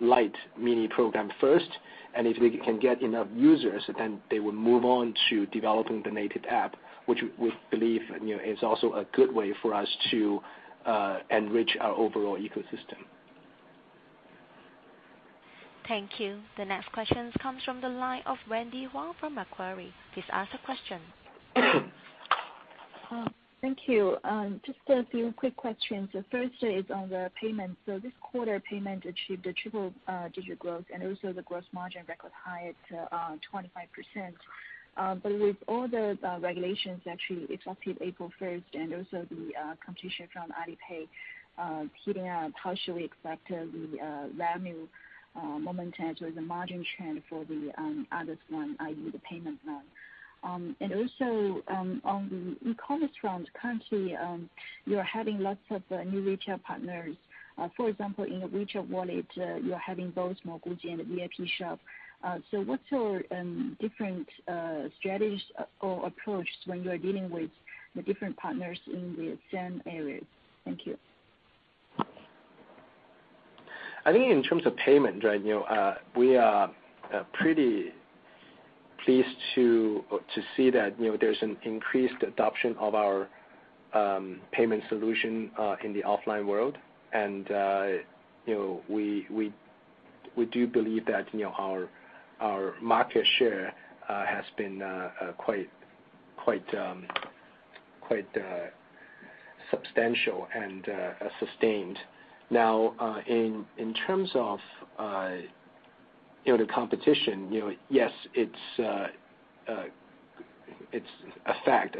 light mini program first. If we can get enough users, then they will move on to developing the native app, which we believe is also a good way for us to enrich our overall ecosystem. Thank you. The next question comes from the line of Wendy Huang from Macquarie. Please ask the question. Thank you. Just a few quick questions. The first is on the payment. This quarter, payment achieved a triple-digit growth, and also the gross margin record high at 25%. With all the regulations actually effective April 1st and also the competition from Alipay heating up, how should we expect the revenue momentum or the margin trend for the others, one, i.e., the payment now? On the e-commerce front, currently, you're having lots of new retail partners. For example, in the WeChat Wallet, you're having both Mogujie and Vipshop. What's your different strategies or approach when you're dealing with the different partners in the same areas? Thank you. I think in terms of payment, we are pretty pleased to see that there's an increased adoption of our payment solution in the offline world. We do believe that our market share has been quite substantial and sustained. Now, in terms of the competition, yes, it's a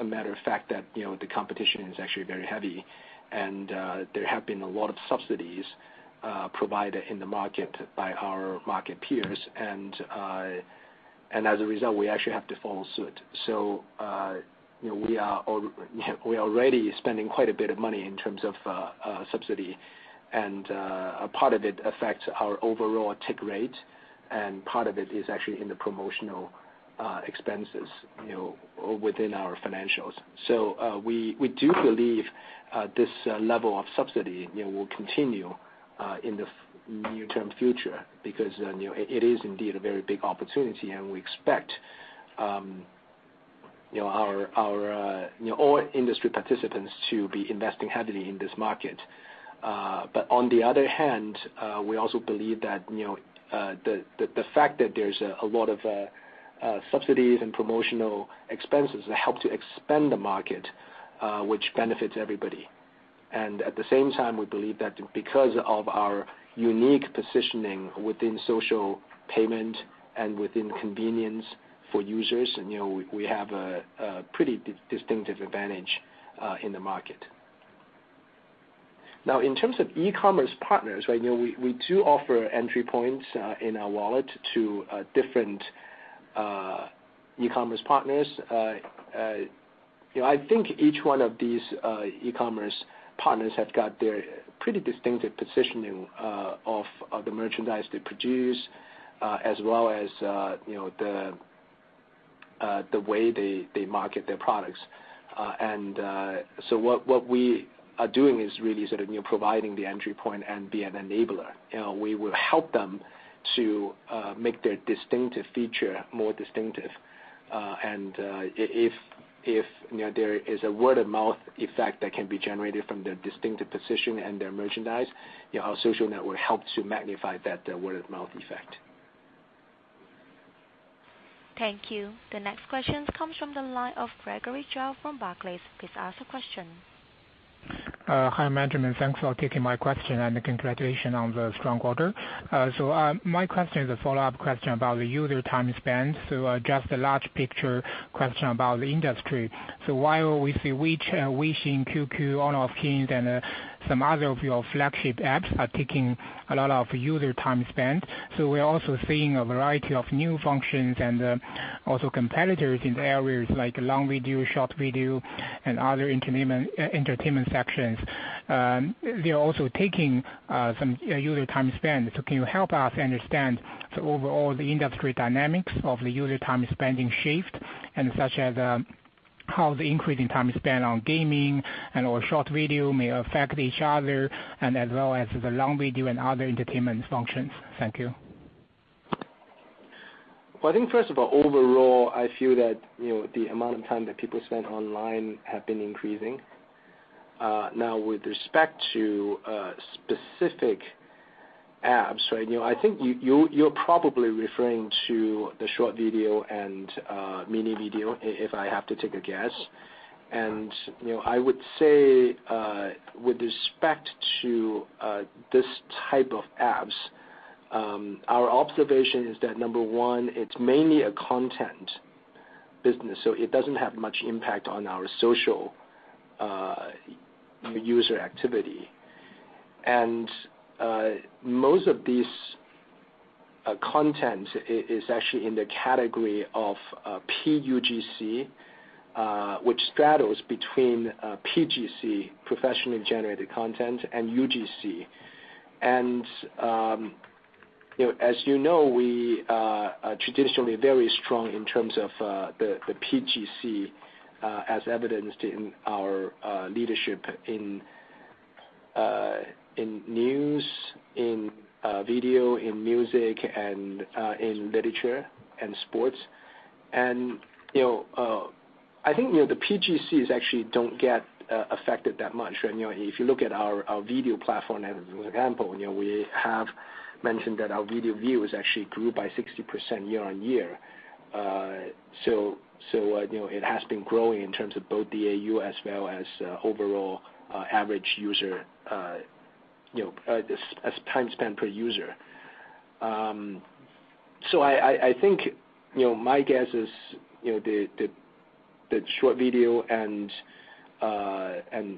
matter of fact that the competition is actually very heavy, and there have been a lot of subsidies provided in the market by our market peers. As a result, we actually have to follow suit. We are already spending quite a bit of money in terms of subsidy, and a part of it affects our overall take rate, and part of it is actually in the promotional expenses within our financials. We do believe this level of subsidy will continue in the near-term future because it is indeed a very big opportunity, and we expect all industry participants to be investing heavily in this market. On the other hand, we also believe that the fact that there's a lot of subsidies and promotional expenses help to expand the market, which benefits everybody. And at the same time, we believe that because of our unique positioning within social payment and within convenience for users, we have a pretty distinctive advantage in the market. Now, in terms of e-commerce partners, we do offer entry points in our wallet to different e-commerce partners. I think each one of these e-commerce partners have got their pretty distinctive positioning of the merchandise they produce, as well as the way they market their products. What we are doing is really sort of providing the entry point and be an enabler. We will help them to make their distinctive feature more distinctive. If there is a word-of-mouth effect that can be generated from their distinctive position and their merchandise, our social network helps to magnify that word-of-mouth effect. Thank you. The next question comes from the line of Gregory Zhao from Barclays. Please ask your question. Hi, management. Thanks for taking my question, and congratulations on the strong quarter. My question is a follow-up question about the user time spent. Just a large picture question about the industry. While we see Weishi, QQ, Honor of Kings, and some other of your flagship apps are taking a lot of user time spent, we're also seeing a variety of new functions and also competitors in areas like long video, short video, and other entertainment sections. They're also taking some user time spent. Can you help us understand, overall, the industry dynamics of the user time spending shift and such as how the increase in time spent on gaming and/or short video may affect each other and as well as the long video and other entertainment functions? Thank you. Well, I think first of all, overall, I feel that the amount of time that people spend online have been increasing. Now with respect to specific apps, I think you're probably referring to the short video and mini video if I have to take a guess. I would say with respect to this type of apps, our observation is that number 1, it's mainly a content business, so it doesn't have much impact on our social user activity. Most of this content is actually in the category of PUGC, which straddles between PGC, professionally generated content, and UGC. As you know, we are traditionally very strong in terms of the PGC as evidenced in our leadership in news, in video, in music, and in literature and sports. I think the PGCs actually don't get affected that much. If you look at our video platform as an example, we have mentioned that our video views actually grew by 60% year-on-year. It has been growing in terms of both the AU as well as overall average user as time spent per user. I think my guess is the short video and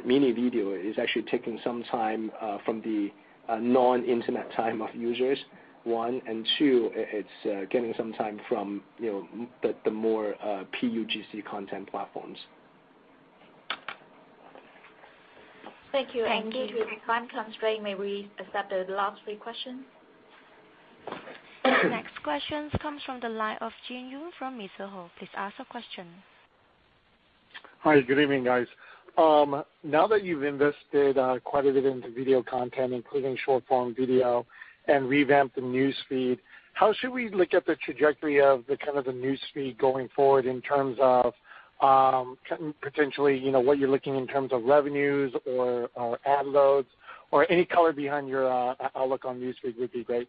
mini video is actually taking some time from the non-Internet time of users, one, and two, it's getting some time from the more PUGC content platforms. Thank you. Thank you. Time constraint, may we accept the last three questions? The next question comes from the line of Jin Yu from Mizuho. Please ask your question. Hi, good evening, guys. Now that you've invested quite a bit into video content, including short-form video and revamped the news feed, how should we look at the trajectory of the news feed going forward in terms of potentially what you're looking in terms of revenues or ad loads or any color behind your outlook on news feed would be great.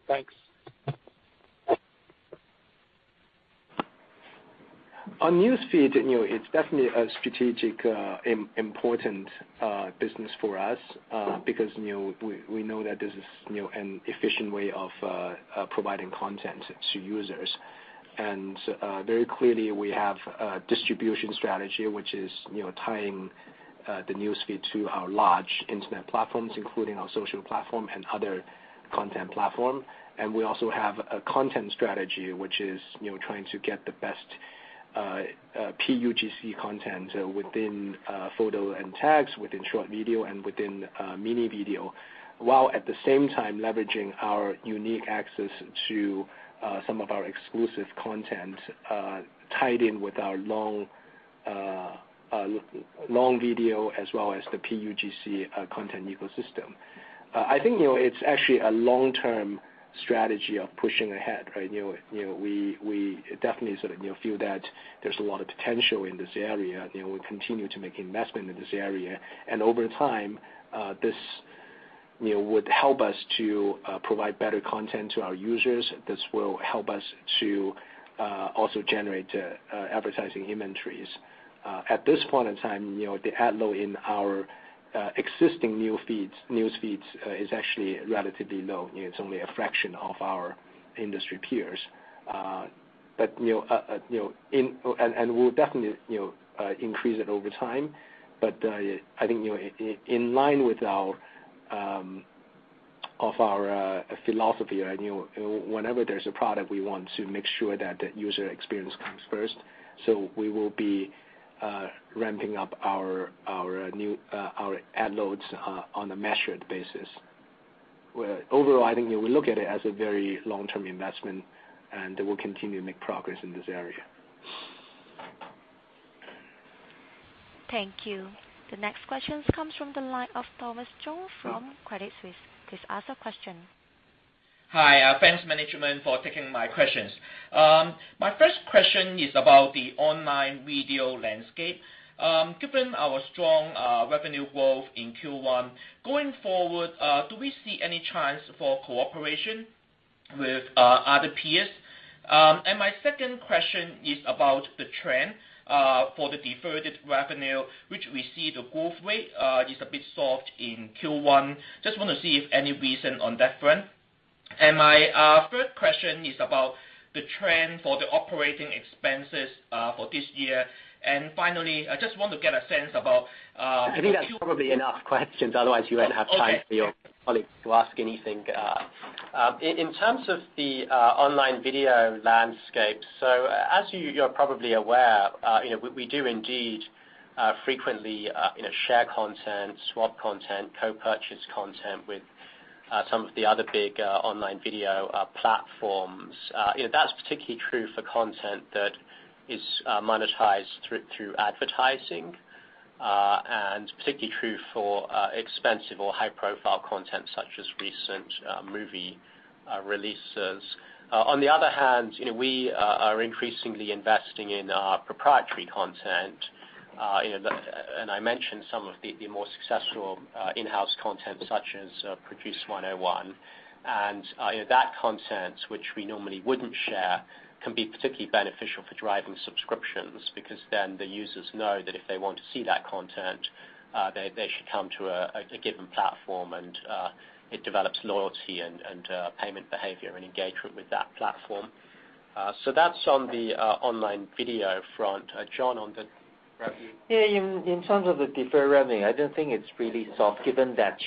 Thanks. On news feed, it's definitely a strategic important business for us, because we know that this is an efficient way of providing content to users. Very clearly we have a distribution strategy, which is tying the news feed to our large Internet platforms, including our social platform and other content platform. We also have a content strategy, which is trying to get the best PUGC content within photo and text, within short video, and within mini video, while at the same time leveraging our unique access to some of our exclusive content tied in with our long video as well as the PUGC content ecosystem. I think it's actually a long-term strategy of pushing ahead, right? We definitely sort of feel that there's a lot of potential in this area, and we continue to make investment in this area. Over time, this Would help us to provide better content to our users. This will help us to also generate advertising inventories. At this point in time, the ad load in our existing news feeds is actually relatively low. It's only a fraction of our industry peers. We'll definitely increase it over time. I think in line with our philosophy, whenever there's a product, we want to make sure that the user experience comes first. We will be ramping up our ad loads on a measured basis. Overall, I think we look at it as a very long-term investment, and we'll continue to make progress in this area. Thank you. The next question comes from the line of Thomas Chong from Credit Suisse. Please ask your question. Hi. Thanks, management, for taking my questions. My first question is about the online video landscape. Given our strong revenue growth in Q1, going forward, do we see any chance for cooperation with other peers? My second question is about the trend for the deferred revenue, which we see the growth rate is a bit soft in Q1. Just want to see if any reason on that front. My third question is about the trend for the operating expenses for this year. Finally, I just want to get a sense about. I think that's probably enough questions, otherwise you won't have time for your colleagues to ask anything. In terms of the online video landscape, as you're probably aware, we do indeed frequently share content, swap content, co-purchase content with some of the other big online video platforms. That's particularly true for content that is monetized through advertising, and particularly true for expensive or high-profile content, such as recent movie releases. On the other hand, we are increasingly investing in proprietary content. I mentioned some of the more successful in-house content, such as "Produce 101." That content, which we normally wouldn't share, can be particularly beneficial for driving subscriptions, because then the users know that if they want to see that content, they should come to a given platform, and it develops loyalty and payment behavior and engagement with that platform. That's on the online video front. John, on the revenue? Yeah, in terms of the deferred revenue, I don't think it's really soft given that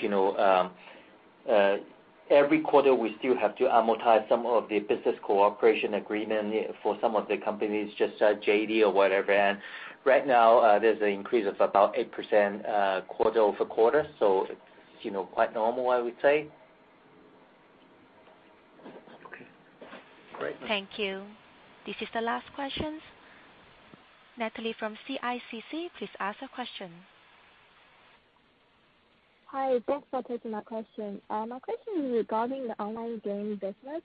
every quarter we still have to amortize some of the business cooperation agreement for some of the companies, just JD.com or whatever. Right now, there's an increase of about 8% quarter-over-quarter. It's quite normal, I would say. Okay. Great. Thank you. This is the last question. Natalie from CICC, please ask your question. Hi, thanks for taking my question. My question regarding the online game business.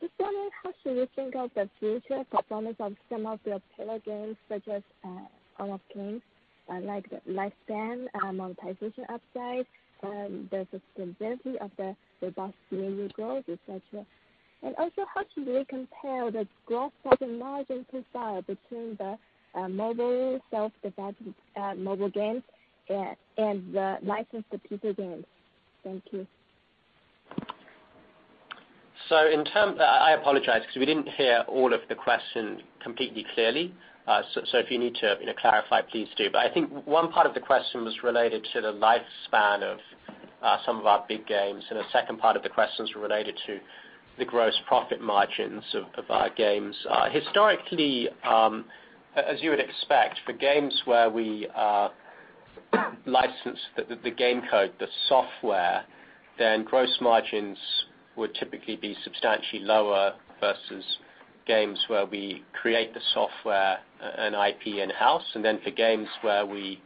Just wondering how should we think of the future performance of some of your pillar games, such as Honor of Kings, like the lifespan, monetization upside, the sustainability of the robust yearly growth, et cetera. Also, how should we compare the gross margin profile between the mobile self-developed mobile games and the licensed PC games? Thank you. I apologize because we didn't hear all of the question completely clearly. If you need to clarify, please do. I think one part of the question was related to the lifespan of some of our big games, and the second part of the question was related to the gross profit margins of our games. Historically, as you would expect, for games where we license the game code, the software, gross margins would typically be substantially lower versus games where we create the software and IP in-house. For games where we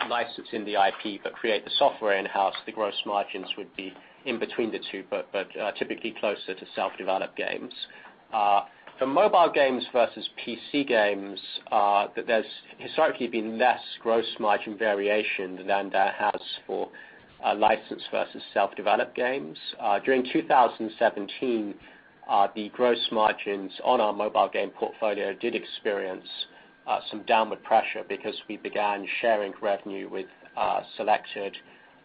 license in the IP, but create the software in-house, the gross margins would be in between the two, but typically closer to self-developed games. For mobile games versus PC games, there's historically been less gross margin variation than there has for licensed versus self-developed games. During 2017, the gross margins on our mobile game portfolio did experience some downward pressure because we began sharing revenue with selected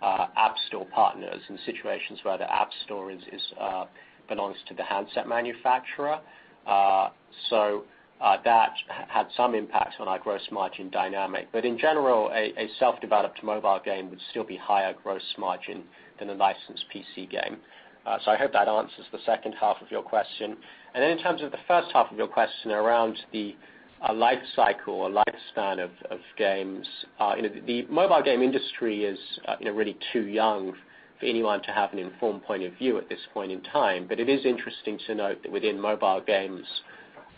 app store partners in situations where the app store belongs to the handset manufacturer. That had some impact on our gross margin dynamic. In general, a self-developed mobile game would still be higher gross margin than a licensed PC game. I hope that answers the second half of your question. In terms of the first half of your question around the life cycle or lifespan of games, the mobile game industry is really too young for anyone to have an informed point of view at this point in time. It is interesting to note that within mobile games,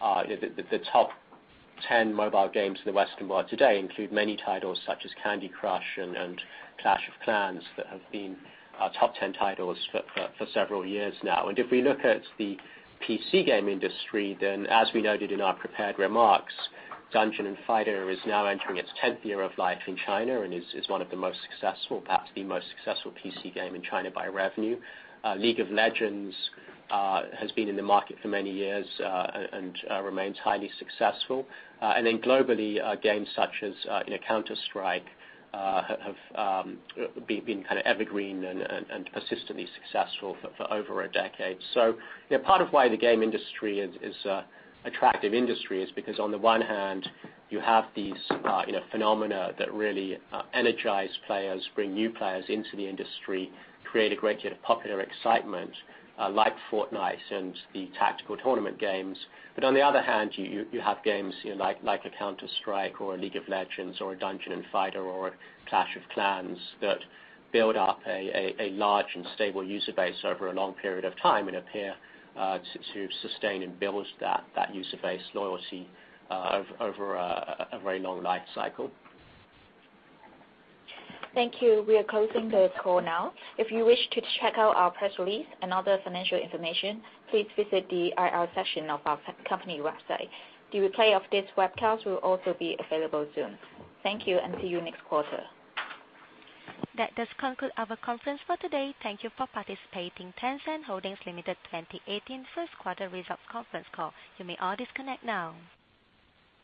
the top 10 mobile games in the Western world today include many titles such as "Candy Crush" and "Clash of Clans" that have been top 10 titles for several years now. If we look at the PC game industry, then as we noted in our prepared remarks, "Dungeon & Fighter" is now entering its 10th year of life in China and is one of the most successful, perhaps the most successful PC game in China by revenue. "League of Legends" has been in the market for many years, and remains highly successful. Then globally, games such as "Counter-Strike" have been evergreen and persistently successful for over a decade. Part of why the game industry is an attractive industry is because on the one hand, you have these phenomena that really energize players, bring new players into the industry, create a great deal of popular excitement, like "Fortnite" and the tactical tournament games. On the other hand, you have games like a "Counter-Strike" or a "League of Legends" or a "Dungeon & Fighter" or a "Clash of Clans" that build up a large and stable user base over a long period of time and appear to sustain and build that user base loyalty over a very long life cycle. Thank you. We are closing the call now. If you wish to check out our press release and other financial information, please visit the IR section of our company website. The replay of this webcast will also be available soon. Thank you, and see you next quarter. That does conclude our conference for today. Thank you for participating. Tencent Holdings Limited 2018 first quarter results conference call. You may all disconnect now.